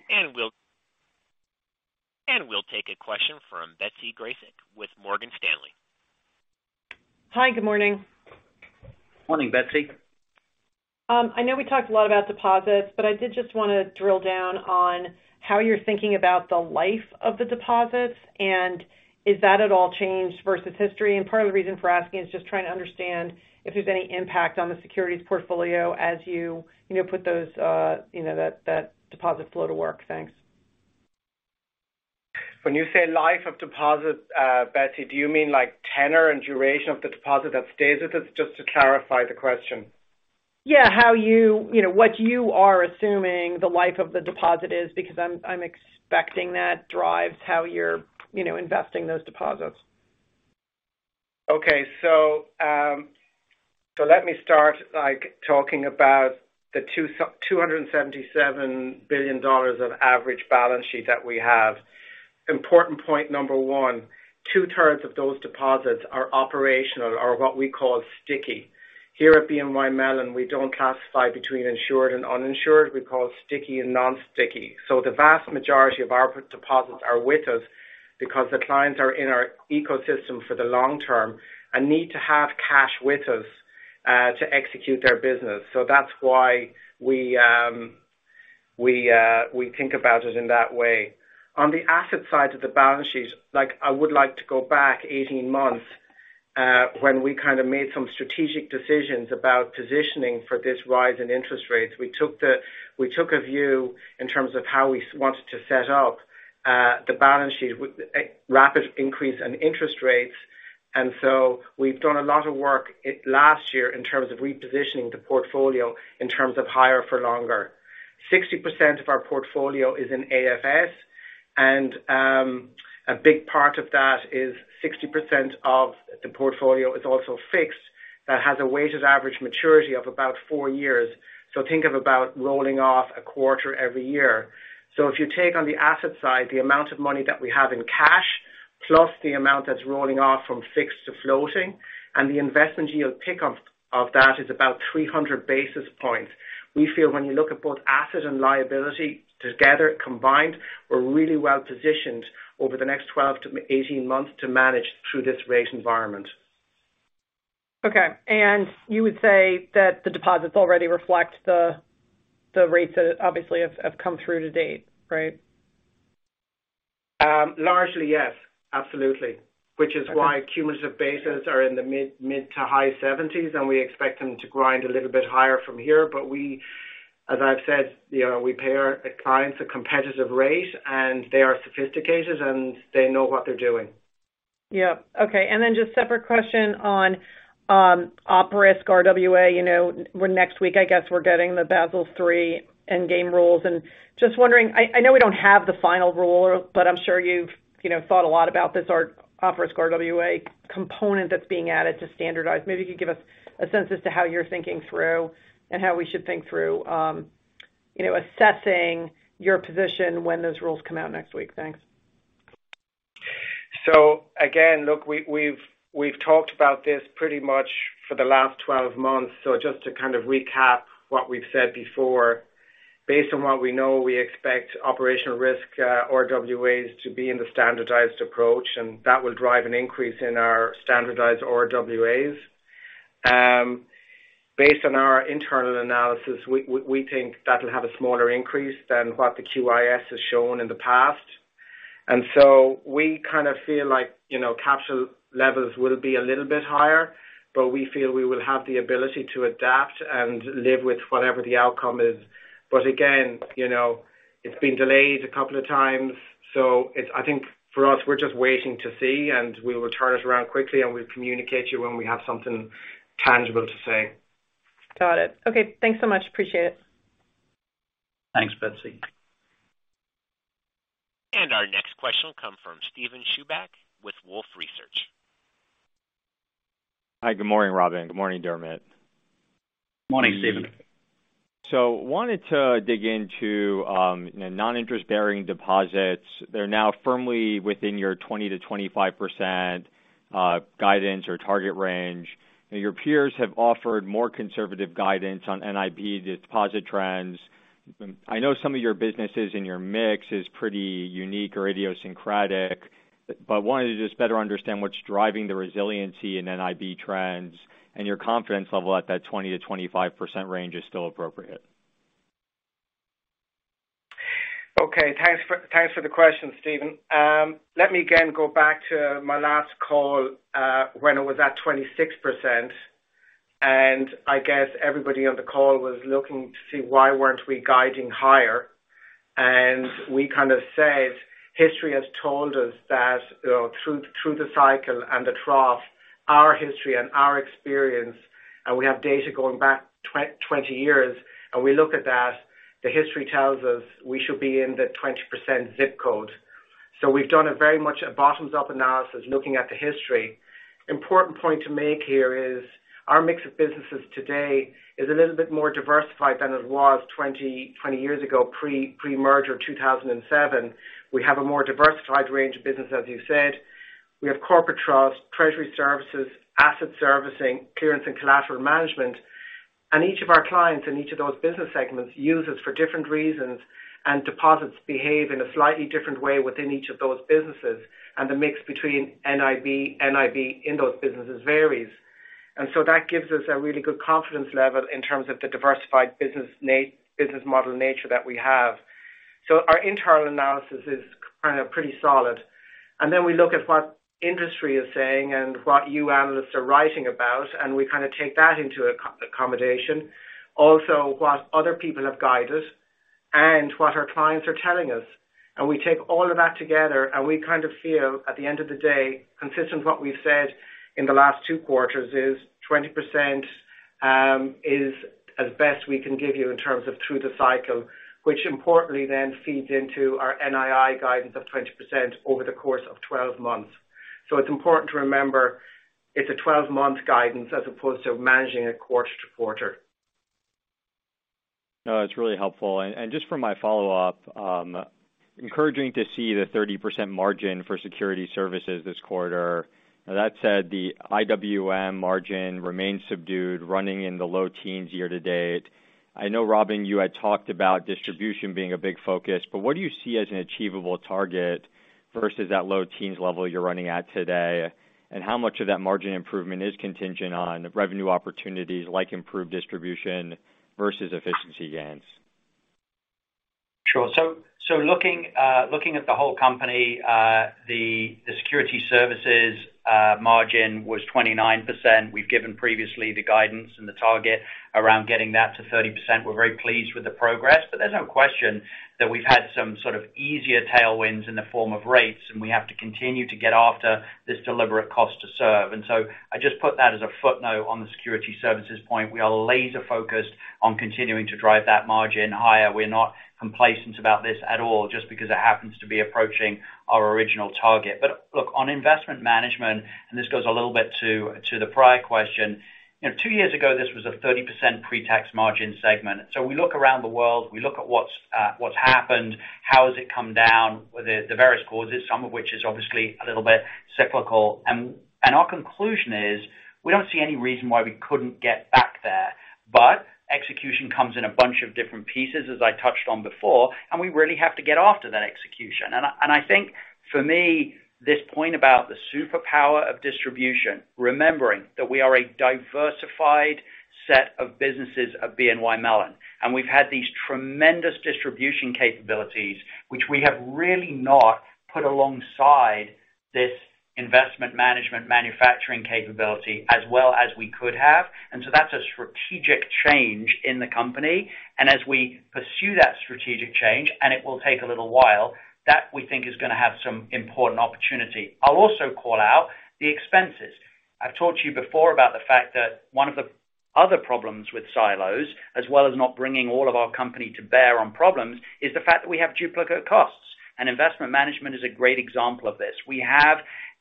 Speaker 1: We'll take a question from Betsy Graseck with Morgan Stanley.
Speaker 7: Hi, good morning.
Speaker 4: Morning, Betsy.
Speaker 7: I know we talked a lot about deposits, but I did just want to drill down on how you're thinking about the life of the deposits, and is that at all changed versus history? Part of the reason for asking is just trying to understand if there's any impact on the securities portfolio as you know, put those, you know, that deposit flow to work. Thanks.
Speaker 4: When you say life of deposits, Betsy, do you mean like tenor and duration of the deposit that stays with us? Just to clarify the question.
Speaker 7: Yeah. You know, what you are assuming the life of the deposit is, because I'm expecting that drives how you're, you know, investing those deposits.
Speaker 4: Okay. Let me start by talking about the $277 billion of average balance sheet that we have. Important point number one, two-thirds of those deposits are operational, or what we call sticky. Here at BNY Mellon, we don't classify between insured and uninsured. We call it sticky and non-sticky. The vast majority of our deposits are with us because the clients are in our ecosystem for the long term and need to have cash with us to execute their business. That's why we think about it in that way. On the asset side of the balance sheet, like, I would like to go back 18 months when we kind of made some strategic decisions about positioning for this rise in interest rates. We took a view in terms of how we wanted to set up the balance sheet with a rapid increase in interest rates. We've done a lot of work it, last year in terms of repositioning the portfolio, in terms of higher for longer. 60% of our portfolio is in AFS, and a big part of that is 60% of the portfolio is also fixed, that has a weighted average maturity of about four years. Think of about rolling off a quarter every year. If you take on the asset side, the amount of money that we have in cash, plus the amount that's rolling off from fixed to floating, and the investment yield pickup of that is about 300 basis points. We feel when you look at both asset and liability together, combined, we're really well positioned over the next 12 to 18 months to manage through this rate environment.
Speaker 7: Okay. You would say that the deposits already reflect the rates that obviously have come through to date, right?
Speaker 4: Largely, yes, absolutely.
Speaker 7: Okay.
Speaker 4: Which is why cumulative basis are in the mid to high 70s, and we expect them to grind a little bit higher from here. We, as I've said, you know, we pay our clients a competitive rate, and they are sophisticated, and they know what they're doing.
Speaker 7: Yep. Okay, just separate question on Op Risk RWA? You know, when next week, I guess we're getting the Basel III endgame rules. Just wondering, I know we don't have the final rule, but I'm sure you've, you know, thought a lot about this, our Op Risk RWA component that's being added to standardized. Maybe you could give us a sense as to how you're thinking through and how we should think through, you know, assessing your position when those rules come out next week. Thanks.
Speaker 4: Again, look, we've talked about this pretty much for the last 12 months. Just to kind of recap what we've said before, based on what we know, we expect operation risk, RWAs to be in the standardized approach, and that will drive an increase in our standardized RWAs. Based on our internal analysis, we think that'll have a smaller increase than what the QIS has shown in the past. We kind of feel like, you know, capital levels will be a little bit higher, but we feel we will have the ability to adapt and live with whatever the outcome is. Again, you know, it's been delayed a couple of times, so I think for us, we're just waiting to see, and we will turn it around quickly, and we'll communicate you when we have something tangible to say.
Speaker 7: Got it. Okay, thanks so much. Appreciate it.
Speaker 4: Thanks, Betsy.
Speaker 1: Our next question will come from Steven Chuback with Wolfe Research.
Speaker 8: Hi, good morning, Robin. Good morning, Dermot.
Speaker 4: Morning, Steven.
Speaker 8: Wanted to dig into, you know, non-interest-bearing deposits. They're now firmly within your 20%-25% guidance or target range. Your peers have offered more conservative guidance on NIB deposit trends. I know some of your businesses and your mix is pretty unique or idiosyncratic, but wanted to just better understand what's driving the resiliency in NIB trends and your confidence level at that 20%-25% range is still appropriate.
Speaker 4: Okay, thanks for the question, Steven. Let me again go back to my last call, when it was at 26%, I guess everybody on the call was looking to see why weren't we guiding higher. We kind of said, history has told us that, through the cycle and the trough, our history and our experience, and we have data going back 20 years, and we look at that, the history tells us we should be in the 20% ZIP code. We've done a very much a bottoms-up analysis, looking at the history. Important point to make here is our mix of businesses today is a little bit more diversified than it was 20 years ago, pre-merger 2007. We have a more diversified range of business, as you said. We have corporate trust, treasury services, asset servicing, clearance and collateral management. Each of our clients in each of those business segments use us for different reasons, and deposits behave in a slightly different way within each of those businesses, and the mix between NIB in those businesses varies. That gives us a really good confidence level in terms of the diversified business model nature that we have. Our internal analysis is kind of pretty solid. Then we look at what industry is saying and what you analysts are writing about, and we kind of take that into accommodation. Also, what other people have guided and what our clients are telling us. We take all of that together, and we kind of feel, at the end of the day, consistent with what we've said in the last two quarters, is 20%, is as best we can give you in terms of through the cycle, which importantly then feeds into our NII guidance of 20% over the course of 12 months. It's important to remember it's a 12-month guidance as opposed to managing it quarter-to-quarter.
Speaker 8: No, it's really helpful. Just for my follow-up, encouraging to see the 30% margin for security services this quarter. That said, the IWM margin remains subdued, running in the low teens year to date. I know, Robin, you had talked about distribution being a big focus, but what do you see as an achievable target versus that low teens level you're running at today? How much of that margin improvement is contingent on revenue opportunities like improved distribution versus efficiency gains?
Speaker 3: Sure. Looking, looking at the whole company, the security services margin was 29%. We've given previously the guidance and the target around getting that to 30%. We're very pleased with the progress, but there's no question that we've had some sort of easier tailwinds in the form of rates, and we have to continue to get after this deliberate cost to serve. I just put that as a footnote on the security services point. We are laser focused on continuing to drive that margin higher. We're not complacent about this at all, just because it happens to be approaching our original target. Look, on investment management, and this goes a little bit to the prior question. You know, two years ago, this was a 30% pre-tax margin segment. We look around the world, we look at what's happened, how has it come down, the various causes, some of which is obviously a little bit cyclical. Our conclusion is, we don't see any reason why we couldn't get back there. Execution comes in a bunch of different pieces, as I touched on before, and we really have to get after that execution. I think for me, this point about the superpower of distribution, remembering that we are a diversified set of businesses at BNY Mellon, and we've had these tremendous distribution capabilities, which we have really not put alongside this investment management manufacturing capability as well as we could have. That's a strategic change in the company. As we pursue that strategic change, and it will take a little while, that we think is gonna have some important opportunity. I'll also call out the expenses. I've talked to you before about the fact that one of the other problems with silos, as well as not bringing all of our company to bear on problems, is the fact that we have duplicate costs. Investment management is a great example of this. We have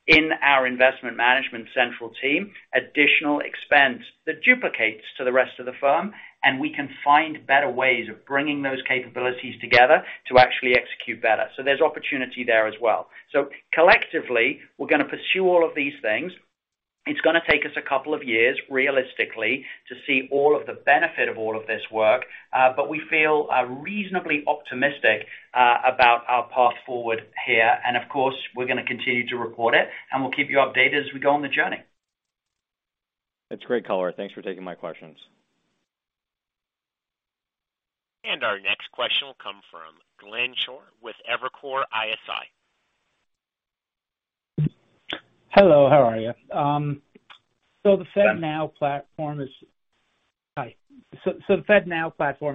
Speaker 3: in our investment management central team, additional expense that duplicates to the rest of the firm. We can find better ways of bringing those capabilities together to actually execute better. There's opportunity there as well. Collectively, we're gonna pursue all of these things. It's gonna take us a couple of years, realistically, to see all of the benefit of all of this work, but we feel reasonably optimistic about our path forward here. Of course, we're gonna continue to report it, and we'll keep you updated as we go on the journey.
Speaker 8: That's great color. Thanks for taking my questions.
Speaker 1: Our next question will come from Glenn Schorr with Evercore ISI.
Speaker 9: Hello, how are you? Hi. The FedNow platform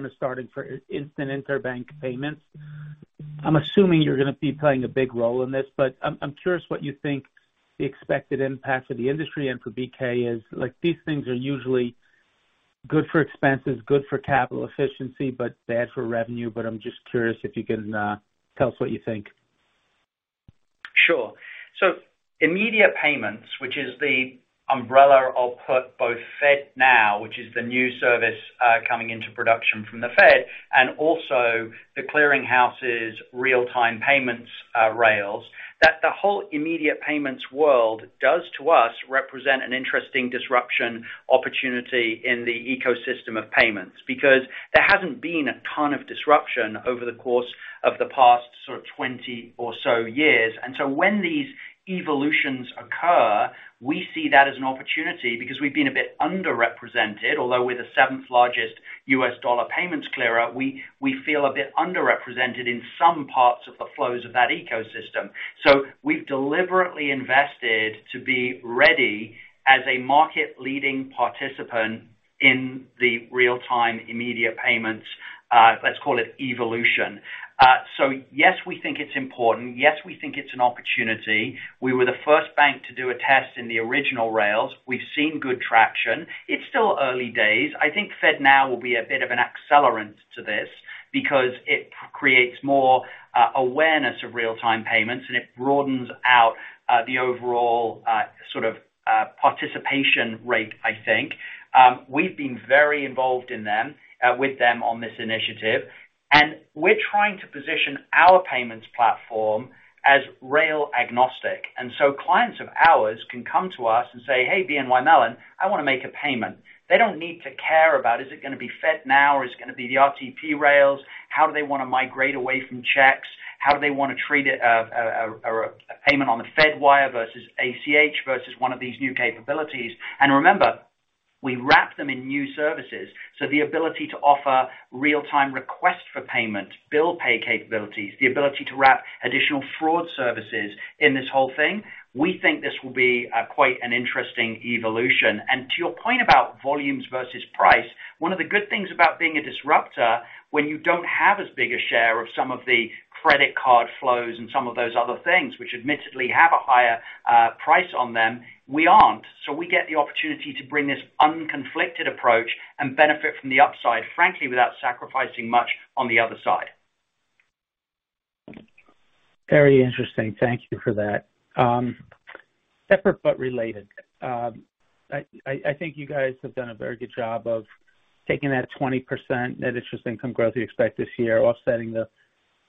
Speaker 9: is starting for instant interbank payments. I'm assuming you're gonna be playing a big role in this, but I'm curious what you think the expected impact for the industry and for BK is. Like, these things are usually good for expenses, good for capital efficiency, but bad for revenue. I'm just curious if you can tell us what you think.
Speaker 3: Sure. Immediate payments, which is the umbrella of both FedNow, which is the new service, coming into production from the Fed, and also the clearing houses, real-time payments, rails, that the whole immediate payments world does to us, represent an interesting disruption opportunity in the ecosystem of payments, because there hasn't been a ton of disruption over the course of the past sort of 20 or so years. When these evolutions occur, we see that as an opportunity because we've been a bit underrepresented, although we're the seventh largest U.S. dollar payments clearer, we feel a bit underrepresented in some parts of the flows of that ecosystem. We've deliberately invested to be ready as a market-leading participant in the real-time immediate payments, let's call it evolution. Yes, we think it's important. Yes, we think it's an opportunity. We were the first bank to do a test in the original rails. We've seen good traction. It's still early days. I think FedNow will be a bit of an accelerant to this because it creates more awareness of real-time payments, and it broadens out the overall sort of participation rate, I think. We've been very involved with them on this initiative, and we're trying to position our payments platform as rail agnostic. Clients of ours can come to us and say, "Hey, BNY Mellon, I want to make a payment." They don't need to care about, is it gonna be FedNow, or is it gonna be the RTP rails? How do they want to migrate away from checks? How do they want to treat it, or a payment on the Fed wire versus ACH versus one of these new capabilities? Remember, we wrap them in new services, so the ability to offer real-time requests for payments, bill pay capabilities, the ability to wrap additional fraud services in this whole thing, we think this will be quite an interesting evolution. To your point about volumes versus price, one of the good things about being a disruptor when you don't have as big a share of some of the credit card flows and some of those other things, which admittedly have a higher price on them, we aren't. We get the opportunity to bring this unconflicted approach and benefit from the upside, frankly, without sacrificing much on the other side.
Speaker 9: Very interesting. Thank you for that. Separate but related. I think you guys have done a very good job of taking that 20% Net Interest Income growth you expect this year, offsetting the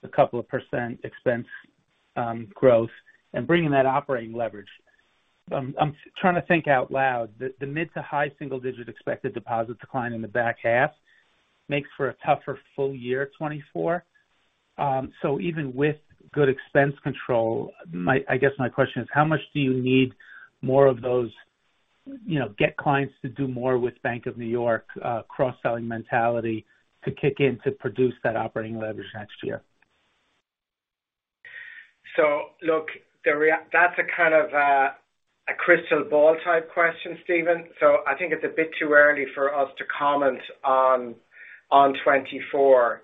Speaker 9: couple of % expense growth, and bringing that operating leverage. I'm trying to think out loud. The mid-to-high single-digit expected deposit decline in the back half makes for a tougher full year 2024. Even with good expense control, I guess my question is: how much do you need more of those, you know, get clients to do more with BNY Mellon, cross-selling mentality to kick in to produce that operating leverage next year?
Speaker 4: Look, that's a kind of a crystal ball type question, Glenn? I think it's a bit too early for us to comment on 2024.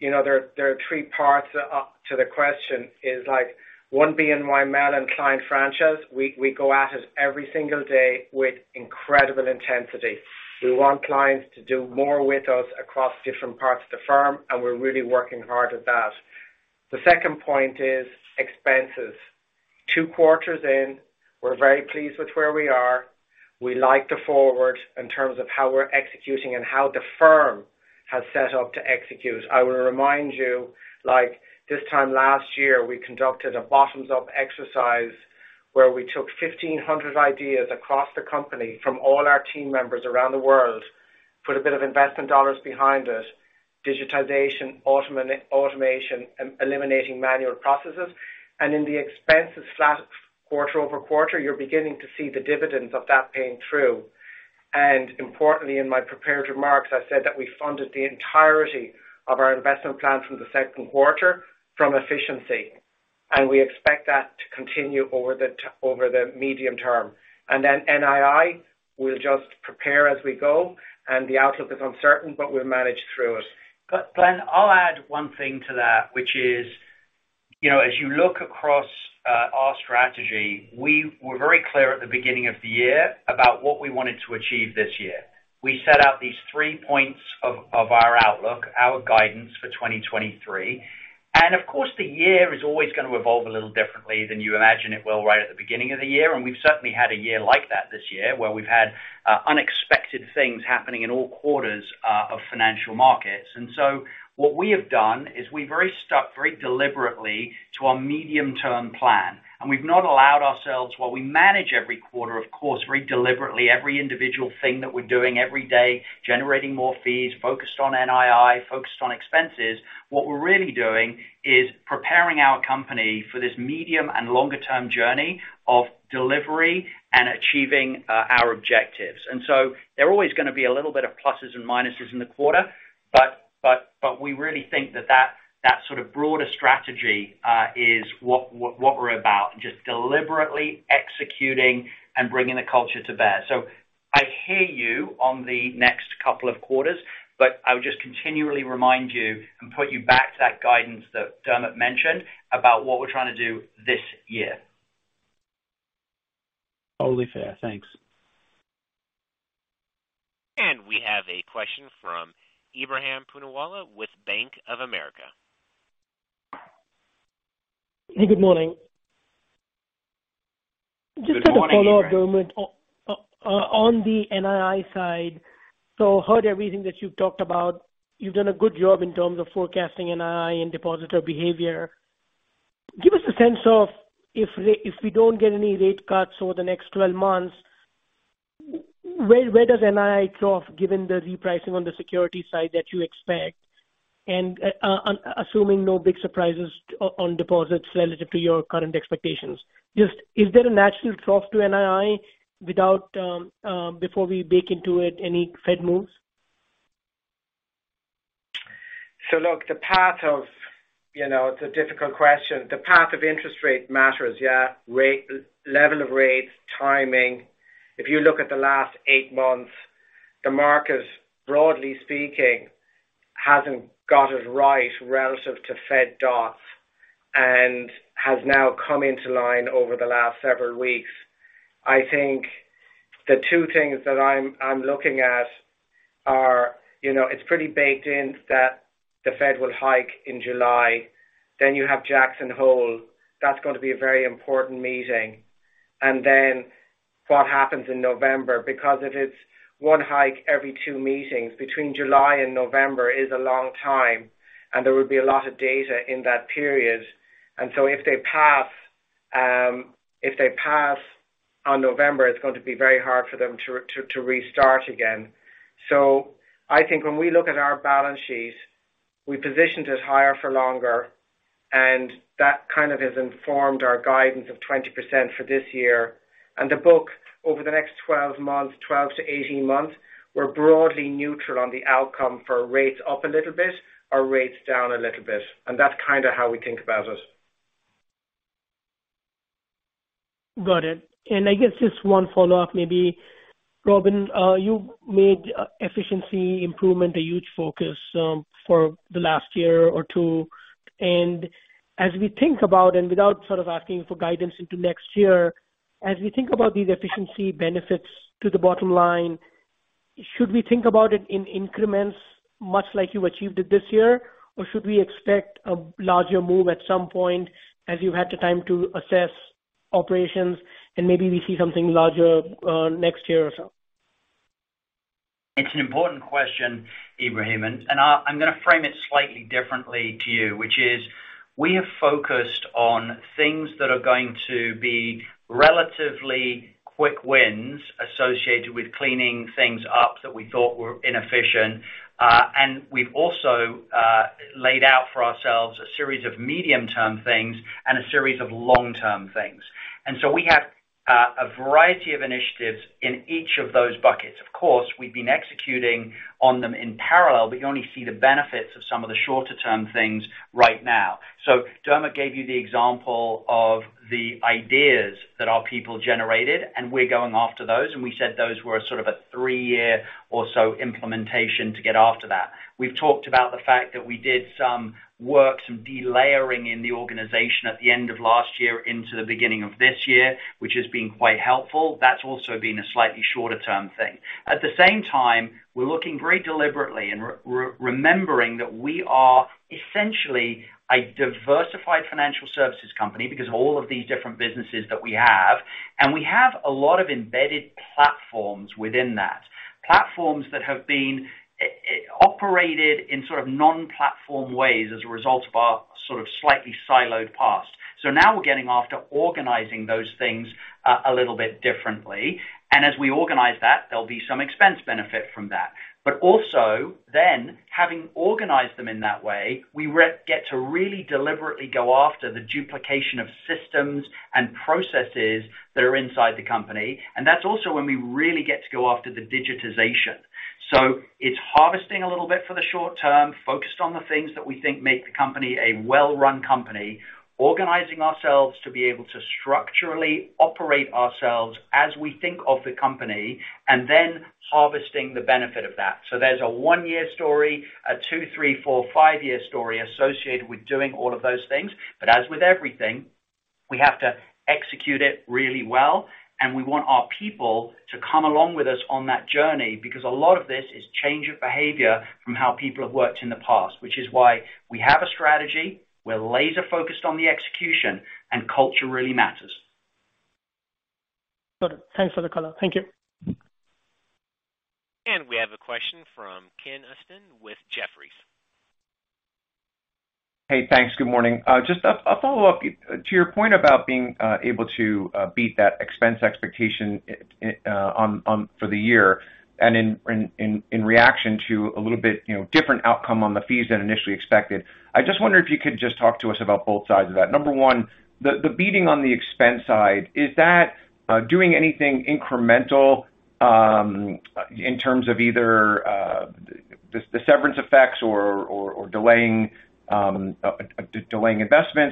Speaker 4: You know, there are three parts to the question is, like, ONE BNY Mellon client franchise. We go at it every single day with incredible intensity. We want clients to do more with us across different parts of the firm, and we're really working hard at that. The second point is expenses. Two quarters in, we're very pleased with where we are. We like the forward in terms of how we're executing and how the firm has set up to execute. I will remind you, like this time last year, we conducted a bottoms-up exercise where we took 1,500 ideas across the company from all our team members around the world, put a bit of investment dollars behind it, digitization, automation, and eliminating manual processes. In the expenses flat quarter-over-quarter, you're beginning to see the dividends of that paying through. Importantly, in my prepared remarks, I said that we funded the entirety of our investment plans from the second quarter from efficiency, and we expect that to continue over the medium term. NII will just prepare as we go, and the outlook is uncertain, but we'll manage through it.
Speaker 3: Glenn, I'll add one thing to that, which is, you know, as you look across our strategy, we were very clear at the beginning of the year about what we wanted to achieve this year. We set out these three points of our outlook, our guidance for 2023, and of course, the year is always going to evolve a little differently than you imagine it will right at the beginning of the year. We've certainly had a year like that this year, where we've had unexpected things happening in all quarters of financial markets. So what we have done is we've stuck very deliberately to our medium-term plan, and we've not allowed ourselves, while we manage every quarter, of course, very deliberately, every individual thing that we're doing every day, generating more fees, focused on NII, focused on expenses. What we're really doing is preparing our company for this medium and longer-term journey of delivery and achieving our objectives. There are always going to be a little bit of pluses and minuses in the quarter, but we really think that sort of broader strategy is what we're about, just deliberately executing and bringing the culture to bear. I hear you on the next couple of quarters, but I would just continually remind you and put you back to that guidance that Dermot mentioned about what we're trying to do this year.
Speaker 9: Totally fair. Thanks.
Speaker 1: We have a question from Ebrahim Poonawala with Bank of America.
Speaker 10: Hey, good morning.
Speaker 3: Good morning, Ebrahim.
Speaker 10: Just as a follow-up, Dermot, on the NII side. Heard everything that you've talked about. You've done a good job in terms of forecasting NII and depositor behavior. Give us a sense of if we don't get any rate cuts over the next 12 months, where does NII trough, given the repricing on the security side that you expect? Assuming no big surprises on deposits relative to your current expectations, just is there a natural trough to NII without, before we bake into it, any Fed moves?
Speaker 4: Look, the path of. You know, it's a difficult question. The path of interest rate matters, yeah, rate, level of rates, timing. If you look at the last eight months, the market, broadly speaking, hasn't got it right relative to Fed dots and has now come into line over the last several weeks. I think the two things that I'm looking at are, you know, it's pretty baked in that the Fed will hike in July, then you have Jackson Hole. That's going to be a very important meeting. What happens in November? Because if it's one hike, every two meetings between July and November is a long time, and there would be a lot of data in that period. If they pass, if they pass on November, it's going to be very hard for them to restart again. I think when we look at our balance sheet, we positioned it higher for longer, and that kind of has informed our guidance of 20% for this year. The book over the next 12 months, 12-18 months, we're broadly neutral on the outcome for rates up a little bit or rates down a little bit, and that's kind of how we think about it.
Speaker 10: Got it. I guess just one follow-up, maybe. Robin, you made efficiency improvement a huge focus for the last year or two. As we think about, and without sort of asking for guidance into next year, as we think about these efficiency benefits to the bottom line, should we think about it in increments, much like you achieved it this year? Or should we expect a larger move at some point as you've had the time to assess operations, and maybe we see something larger next year or so?
Speaker 3: It's an important question, Ebrahim, I'm gonna frame it slightly differently to you, which is: we have focused on things that are going to be relatively quick wins associated with cleaning things up that we thought were inefficient. We've also laid out for ourselves a series of medium-term things and a series of long-term things. We have a variety of initiatives in each of those buckets. Of course, we've been executing on them in parallel, but you only see the benefits of some of the shorter term things right now. Dermot gave you the example of the ideas that our people generated, and we're going after those, and we said those were sort of a three-year or so implementation to get after that. We've talked about the fact that we did some work, some delayering in the organization at the end of last year into the beginning of this year, which has been quite helpful. That's also been a slightly shorter term thing. At the same time, we're looking very deliberately and remembering that we are essentially a diversified financial services company because of all of these different businesses that we have, and we have a lot of embedded platforms within that. Platforms that have been operated in sort of non-platform ways as a result of our sort of slightly siloed past. Now we're getting after organizing those things a little bit differently, and as we organize that, there'll be some expense benefit from that. Also, then, having organized them in that way, we get to really deliberately go after the duplication of systems and processes that are inside the company, and that's also when we really get to go after the digitization. It's harvesting a little bit for the short term, focused on the things that we think make the company a well-run company, organizing ourselves to be able to structurally operate ourselves as we think of the company, and then harvesting the benefit of that. There's a one-year story, a two-, three-, four-, five-year story associated with doing all of those things. As with everything, we have to execute it really well, and we want our people to come along with us on that journey, because a lot of this is change of behavior from how people have worked in the past, which is why we have a strategy, we're laser focused on the execution, and culture really matters.
Speaker 10: Got it. Thanks for the color. Thank you.
Speaker 1: We have a question from Ken Usdin with Jefferies.
Speaker 11: Hey, thanks. Good morning. Just a follow-up. To your point about being able to beat that expense expectation for the year, and in reaction to a little bit, you know, different outcome on the fees than initially expected. I just wonder if you could just talk to us about both sides of that. Number one, the beating on the expense side, is that doing anything incremental in terms of either the severance effects or delaying investments,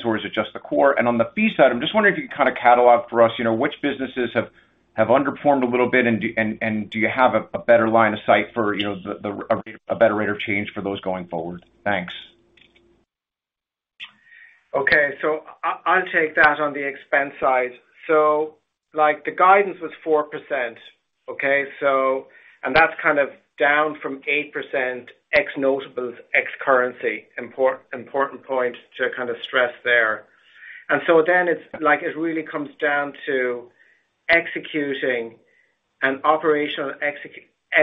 Speaker 11: or is it just the core? On the fee side, I'm just wondering if you could kind of catalog for us, you know, which businesses have underperformed a little bit, and do you have a better line of sight for, you know, a better rate of change for those going forward? Thanks.
Speaker 4: Okay, I'll take that on the expense side. The guidance was 4%, okay? That's kind of down from 8%, ex notables, ex currency. Important point to kind of stress there. It really comes down to executing an operational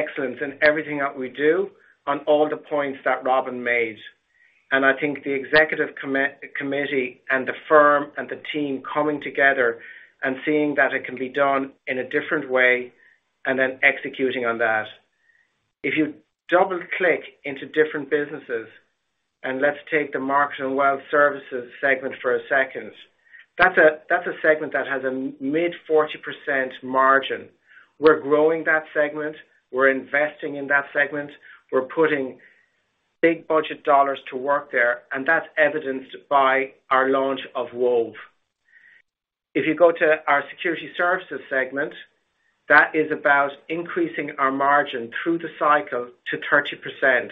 Speaker 4: excellence in everything that we do on all the points that Robin made. I think the executive committee and the firm and the team coming together and seeing that it can be done in a different way, executing on that. If you double-click into different businesses, let's take the Market and Wealth Services segment for a second, that's a segment that has a mid 40% margin. We're growing that segment. We're investing in that segment. We're putting big budget dollars to work there. That's evidenced by our launch of Wove. If you go to our Securities Services segment, that is about increasing our margin through the cycle to 30%.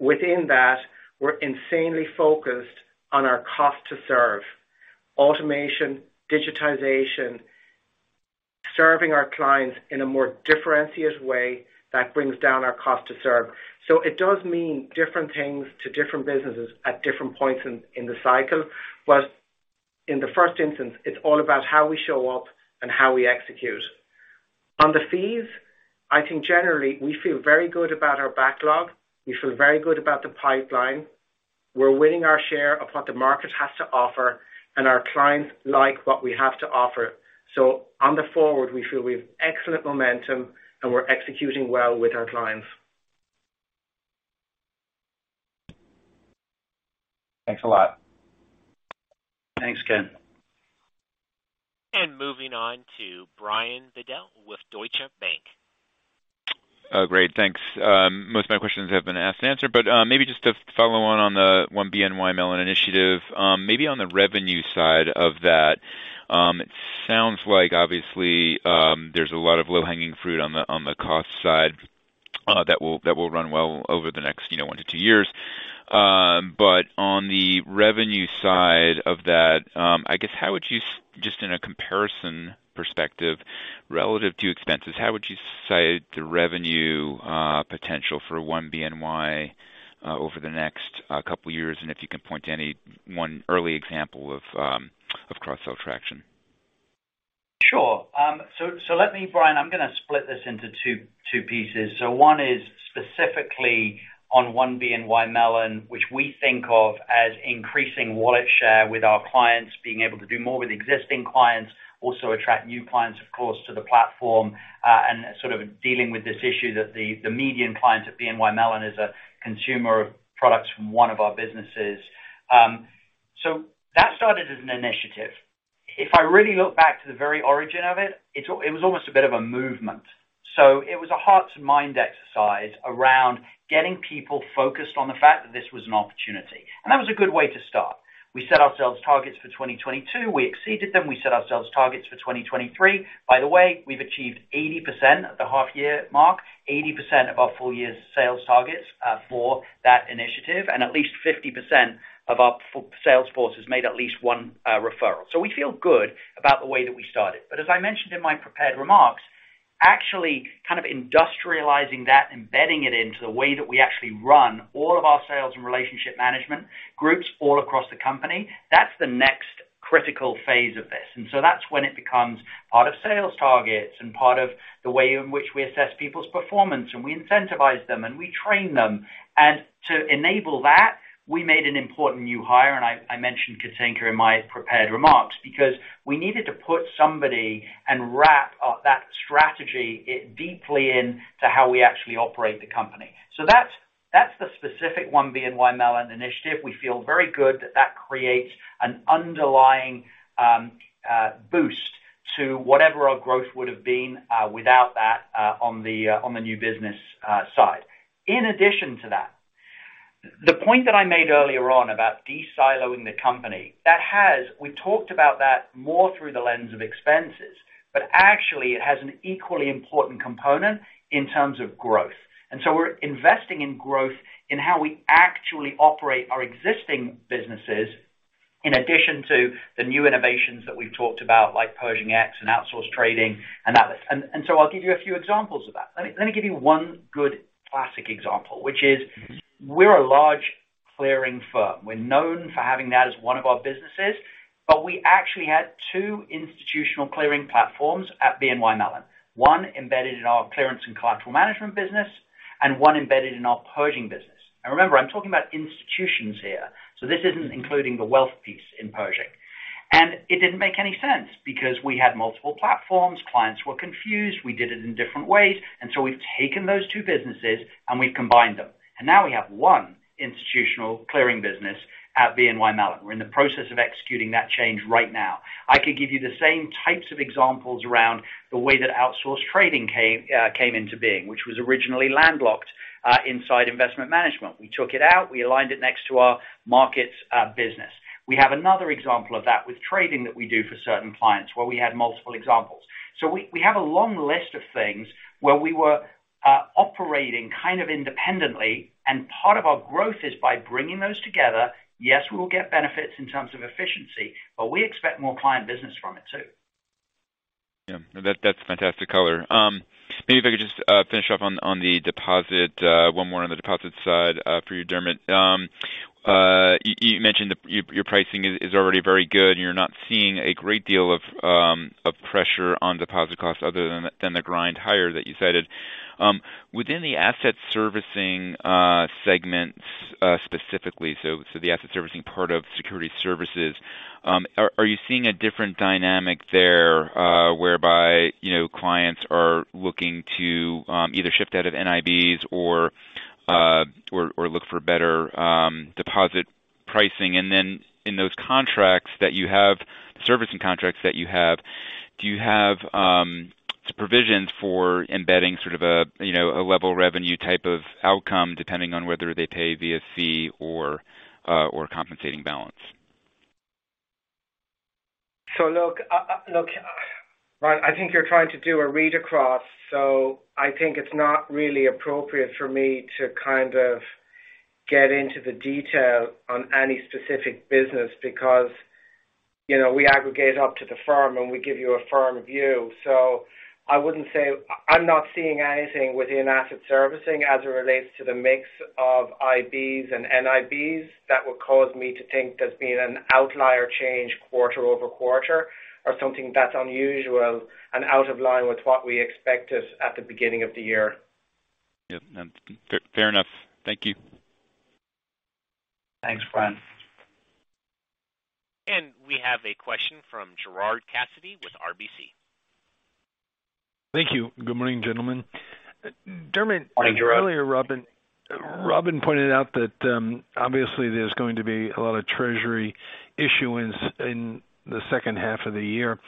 Speaker 4: Within that, we're insanely focused on our cost to serve. Automation, digitization, serving our clients in a more differentiated way that brings down our cost to serve. It does mean different things to different businesses at different points in the cycle. In the first instance, it's all about how we show up and how we execute. On the fees, I think generally we feel very good about our backlog. We feel very good about the pipeline. We're winning our share of what the market has to offer, and our clients like what we have to offer. On the forward, we feel we have excellent momentum, and we're executing well with our clients.
Speaker 11: Thanks a lot.
Speaker 4: Thanks, Ken.
Speaker 1: Moving on to Brian Bedell with Deutsche Bank.
Speaker 12: Great, thanks. Maybe just to follow on the ONE BNY Mellon initiative. Maybe on the revenue side of that, it sounds like obviously, there's a lot of low-hanging fruit on the cost side. That will run well over the next, you know, one to two years. On the revenue side of that, I guess, how would you just in a comparison perspective, relative to expenses, how would you cite the revenue potential for ONE BNY over the next couple years? If you can point to any one early example of cross-sell traction.
Speaker 3: Sure. Let me, Brian, I'm gonna split this into two pieces. One is specifically on ONE BNY Mellon, which we think of as increasing wallet share with our clients, being able to do more with existing clients, also attract new clients, of course, to the platform, and sort of dealing with this issue that the median client at BNY Mellon is a consumer of products from one of our businesses. That started as an initiative. If I really look back to the very origin of it was almost a bit of a movement. It was a heart-to-mind exercise around getting people focused on the fact that this was an opportunity, and that was a good way to start. We set ourselves targets for 2022. We exceeded them. We set ourselves targets for 2023. By the way, we've achieved 80% at the half year mark, 80% of our full year's sales targets for that initiative, and at least 50% of our sales force has made at least one referral. We feel good about the way that we started. As I mentioned in my prepared remarks, actually, kind of industrializing that, embedding it into the way that we actually run all of our sales and relationship management groups all across the company, that's the next critical phase of this. That's when it becomes part of sales targets and part of the way in which we assess people's performance, and we incentivize them, and we train them. To enable that, we made an important new hire, I mentioned Cathinka in my prepared remarks, because we needed to put somebody and wrap up that strategy deeply into how we actually operate the company. That's the specific ONE BNY Mellon initiative. We feel very good that that creates an underlying boost to whatever our growth would've been without that on the new business side. In addition to that, the point that I made earlier on about de-siloing the company, we talked about that more through the lens of expenses, but actually, it has an equally important component in terms of growth. We're investing in growth in how we actually operate our existing businesses, in addition to the new innovations that we've talked about, like Pershing X and outsourced trading and others. I'll give you a few examples of that. Let me, let me give you one good classic example, which is we're a large clearing firm. We're known for having that as one of our businesses, but we actually had two institutional clearing platforms at BNY Mellon. One embedded in our clearance and collateral management business, and one embedded in our Pershing business. Remember, I'm talking about institutions here, so this isn't including the wealth piece in Pershing. It didn't make any sense because we had multiple platforms, clients were confused, we did it in different ways, and so we've taken those two businesses, and we've combined them, and now we have one institutional clearing business at BNY Mellon. We're in the process of executing that change right now. I could give you the same types of examples around the way that outsourced trading came into being, which was originally landlocked inside investment management. We took it out, we aligned it next to our markets business. We have another example of that with trading that we do for certain clients, where we had multiple examples. We have a long list of things where we were operating kind of independently, and part of our growth is by bringing those together. We will get benefits in terms of efficiency, but we expect more client business from it, too.
Speaker 12: Yeah, that's fantastic color. Maybe if I could just finish up on the deposit, one more on the deposit side for you, Dermot. You mentioned your pricing is already very good, and you're not seeing a great deal of pressure on deposit costs other than the grind higher that you cited. Within the asset servicing segments specifically, so the asset servicing part of Securities Services, are you seeing a different dynamic there, whereby, you know, clients are looking to either shift out of NIBs or look for better deposit pricing? In those contracts that you have, the servicing contracts that you have, do you have, provisions for embedding sort of a, you know, a level revenue type of outcome, depending on whether they pay via fee or compensating balance?
Speaker 4: Look, Brian, I think you're trying to do a read across, I think it's not really appropriate for me to kind of get into the detail on any specific business because, you know, we aggregate up to the firm, we give you a firm view. I wouldn't say... I'm not seeing anything within asset servicing as it relates to the mix of IBs and NIBs that would cause me to think there's been an outlier change quarter-over-quarter or something that's unusual and out of line with what we expected at the beginning of the year.
Speaker 12: Yep. fair enough. Thank you.
Speaker 4: Thanks, Brian.
Speaker 1: We have a question from Gerard Cassidy with RBC.
Speaker 13: Thank you. Good morning, gentlemen.
Speaker 4: Morning, Gerard.
Speaker 13: Dermot, earlier, Robin pointed out that, obviously, there's going to be a lot of Treasury issuance in the second half of the year.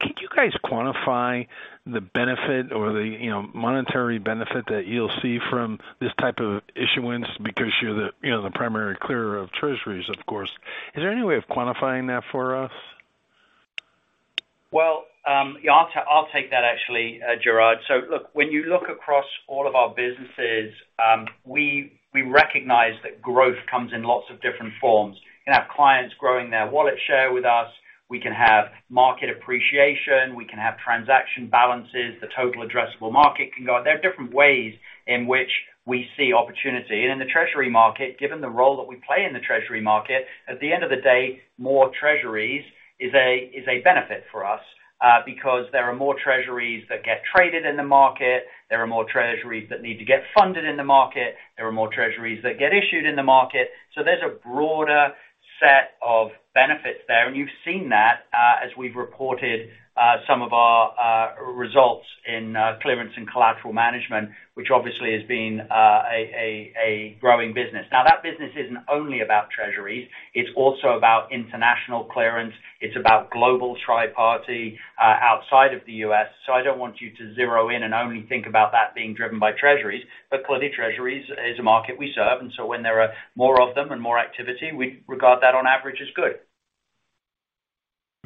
Speaker 13: Could you guys quantify the benefit or the monetary benefit that you'll see from this type of issuance? Because you're the primary clearer of Treasuries, of course. Is there any way of quantifying that for us?
Speaker 3: Well, yeah, I'll take that actually, Gerard. Look, when you look across all of our businesses, we recognize that growth comes in lots of different forms. We can have clients growing their wallet share with us, we can have market appreciation, we can have transaction balances, the total addressable market can go up. There are different ways in which we see opportunity. In the treasury market, given the role that we play in the treasury market, at the end of the day, more treasuries is a benefit for us because there are more treasuries that get traded in the market, there are more treasuries that need to get funded in the market, there are more treasuries that get issued in the market. There's a broader set of benefits there, and you've seen that, as we've reported, some of our results in clearance and collateral management, which obviously has been a growing business. Now, that business isn't only about treasuries, it's also about international clearance. It's about global tri-party outside of the U.S. I don't want you to zero in and only think about that being driven by treasuries, but clearly, treasuries is a market we serve, and so when there are more of them and more activity, we regard that on average as good.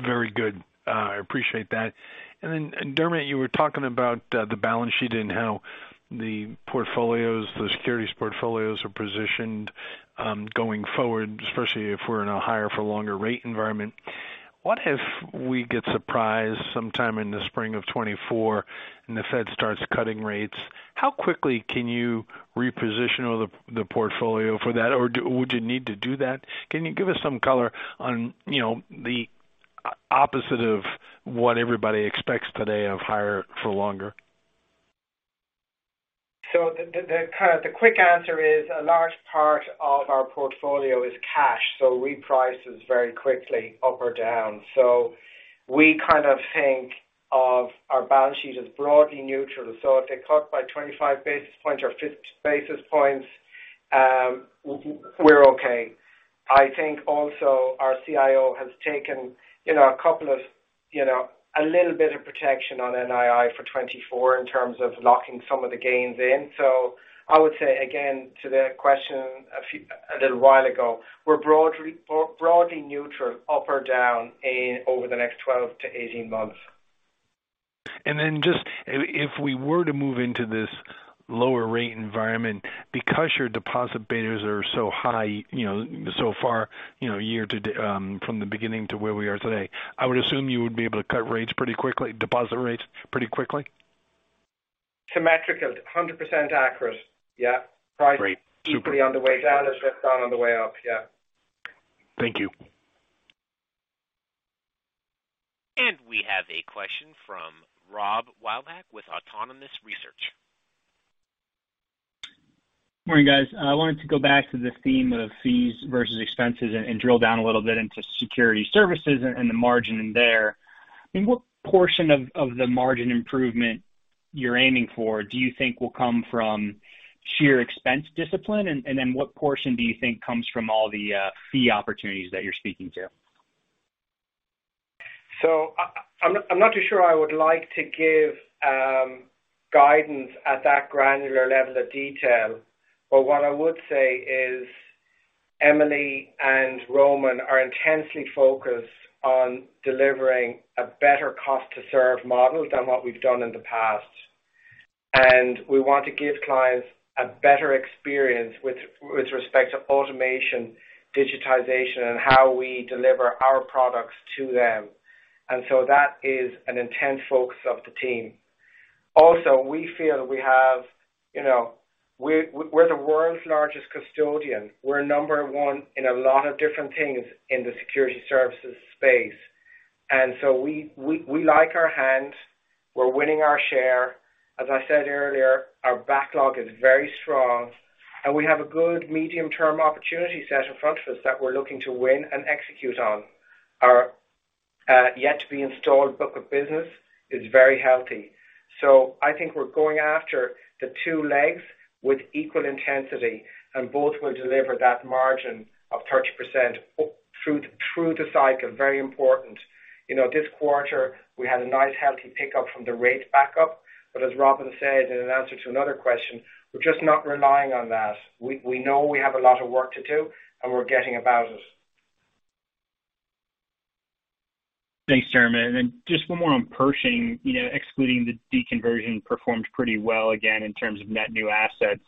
Speaker 13: Very good. I appreciate that. Dermot, you were talking about the balance sheet and how the portfolios, the securities portfolios are positioned, going forward, especially if we're in a higher for longer rate environment. What if we get surprised sometime in the spring of 2024 and the Fed starts cutting rates? How quickly can you reposition the portfolio for that, or would you need to do that? Can you give us some color on, you know, the opposite of what everybody expects today of higher for longer?
Speaker 4: The kind of the quick answer is, a large part of our portfolio is cash, reprice is very quickly up or down. We kind of think of our balance sheet as broadly neutral. If they cut by 25 basis points or 50 basis points, we're okay. I think also our CIO has taken, you know, a couple of, you know, a little bit of protection on NII for 2024 in terms of locking some of the gains in. I would say, again, to the question a little while ago, we're broadly neutral, up or down in over the next 12 to 18 months.
Speaker 13: Just if we were to move into this lower rate environment, because your deposit betas are so high, you know, so far, you know, year to from the beginning to where we are today, I would assume you would be able to cut rates pretty quickly, deposit rates pretty quickly?
Speaker 4: Symmetrical. 100% accurate. Yeah.
Speaker 13: Great.
Speaker 4: Equally on the way down as they've gone on the way up. Yeah.
Speaker 13: Thank you.
Speaker 1: we have a question from Rob Wildhack with Autonomous Research.
Speaker 14: Morning, guys. I wanted to go back to the theme of fees versus expenses and drill down a little bit into Securities Services and the margin in there. I mean, what portion of the margin improvement you're aiming for, do you think will come from sheer expense discipline? Then what portion do you think comes from all the fee opportunities that you're speaking to?
Speaker 4: I'm not too sure I would like to give guidance at that granular level of detail, but what I would say is, Emily and Roman are intensely focused on delivering a better cost to serve model than what we've done in the past. We want to give clients a better experience with respect to automation, digitization, and how we deliver our products to them. That is an intense focus of the team. We feel we have, you know, we're the world's largest custodian. We're number one in a lot of different things in the Securities Services space. We like our hand, we're winning our share. As I said earlier, our backlog is very strong, and we have a good medium-term opportunity set in front of us that we're looking to win and execute on. Our yet to be installed book of business is very healthy. I think we're going after the two legs with equal intensity, and both will deliver that margin of 30% through the cycle. Very important. You know, this quarter, we had a nice, healthy pickup from the rate backup. As Robin said, in an answer to another question, we're just not relying on that. We know we have a lot of work to do, and we're getting about it.
Speaker 14: Thanks, Dermot. Just one more on Pershing. You know, excluding the deconversion, performed pretty well, again, in terms of net new assets.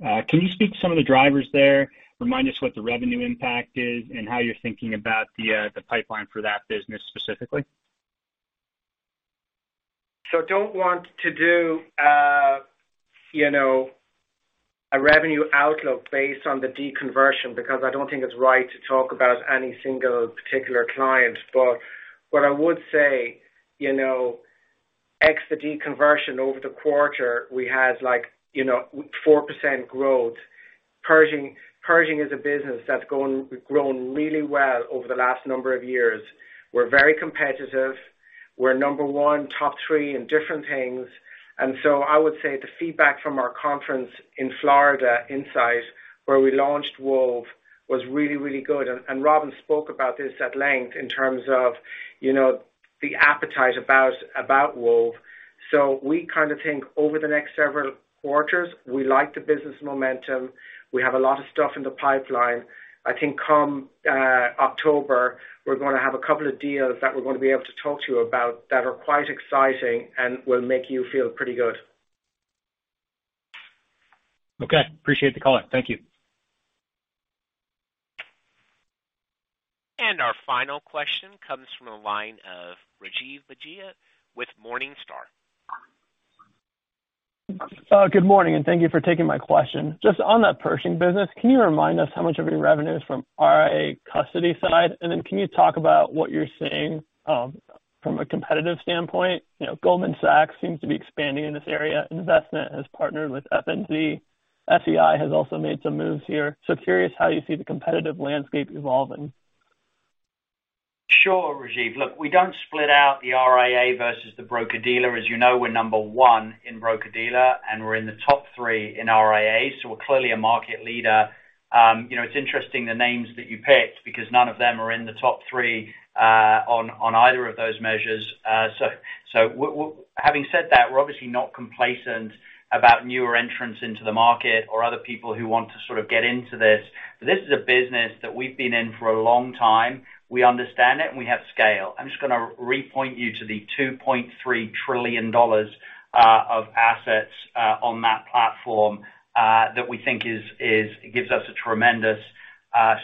Speaker 14: Can you speak to some of the drivers there? Remind us what the revenue impact is and how you're thinking about the pipeline for that business specifically.
Speaker 4: Don't want to do, you know, a revenue outlook based on the deconversion, because I don't think it's right to talk about any single particular client. What I would say, you know, ex the deconversion over the quarter, we had like, you know, 4% growth. Pershing is a business that's grown really well over the last number of years. We're very competitive. We're number one, top three in different things. I would say the feedback from our conference in Florida, INSITE, where we launched Wove, was really, really good. Robin spoke about this at length in terms of, you know, the appetite about Wove.
Speaker 3: We kind of think over the next several quarters, we like the business momentum. We have a lot of stuff in the pipeline. I think come October, we're going to have a couple of deals that we're going to be able to talk to you about that are quite exciting and will make you feel pretty good.
Speaker 1: Okay, appreciate the call. Thank you. Our final question comes from the line of Rajiv Bhatia with Morningstar.
Speaker 15: Good morning. Thank you for taking my question. Just on that Pershing business, can you remind us how much of your revenue is from RIA custody side? Can you talk about what you're seeing from a competitive standpoint? You know, Goldman Sachs seems to be expanding in this area. Investment has partnered with FNZ. SEI has also made some moves here. Curious how you see the competitive landscape evolving.
Speaker 3: Sure, Rajiv. Look, we don't split out the RIA versus the broker-dealer. As you know, we're number one in broker-dealer, and we're in the top three in RIA, we're clearly a market leader. You know, it's interesting the names that you picked, because none of them are in the top three on either of those measures. Having said that, we're obviously not complacent about newer entrants into the market or other people who want to sort of get into this. This is a business that we've been in for a long time. We understand it, and we have scale. I'm just gonna repoint you to the $2.3 trillion of assets on that platform that we think gives us a tremendous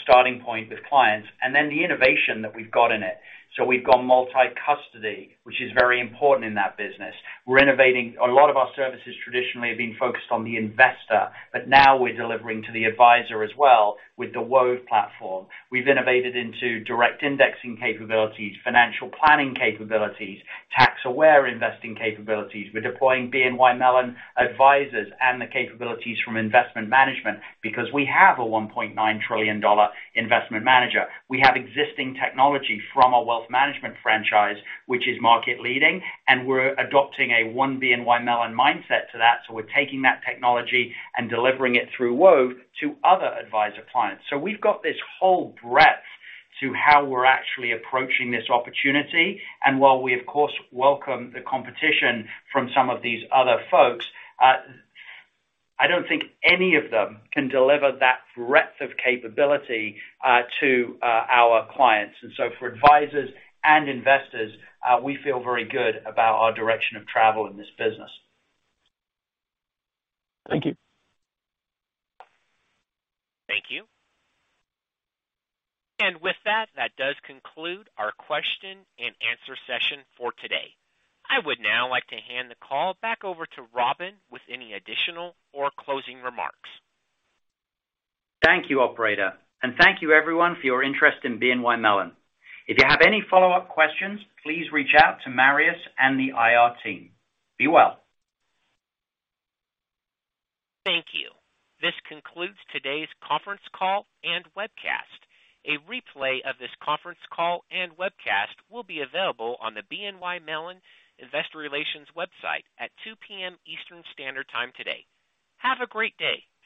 Speaker 3: starting point with clients, and then the innovation that we've got in it. We've gone multi-custody, which is very important in that business. We're innovating. A lot of our services traditionally have been focused on the investor, but now we're delivering to the advisor as well with the Wove platform. We've innovated into direct indexing capabilities, financial planning capabilities, tax-aware investing capabilities. We're deploying BNY Mellon advisors and the capabilities from investment management because we have a $1.9 trillion investment manager. We have existing technology from our wealth management franchise, which is market leading, and we're adopting a ONE BNY Mellon mindset to that, so we're taking that technology and delivering it through Wove to other advisor clients. We've got this whole breadth to how we're actually approaching this opportunity. While we of course, welcome the competition from some of these other folks, I don't think any of them can deliver that breadth of capability to our clients. For advisors and investors, we feel very good about our direction of travel in this business.
Speaker 15: Thank you.
Speaker 1: Thank you. With that does conclude our question-and-answer session for today. I would now like to hand the call back over to Robin with any additional or closing remarks.
Speaker 3: Thank you, operator, and thank you everyone for your interest in BNY Mellon. If you have any follow-up questions, please reach out to Marius and the IR team. Be well.
Speaker 1: Thank you. This concludes today's conference call and webcast. A replay of this conference call and webcast will be available on the BNY Mellon Investor Relations website at 2:00 P.M. Eastern Standard Time today. Have a great day. Thank you.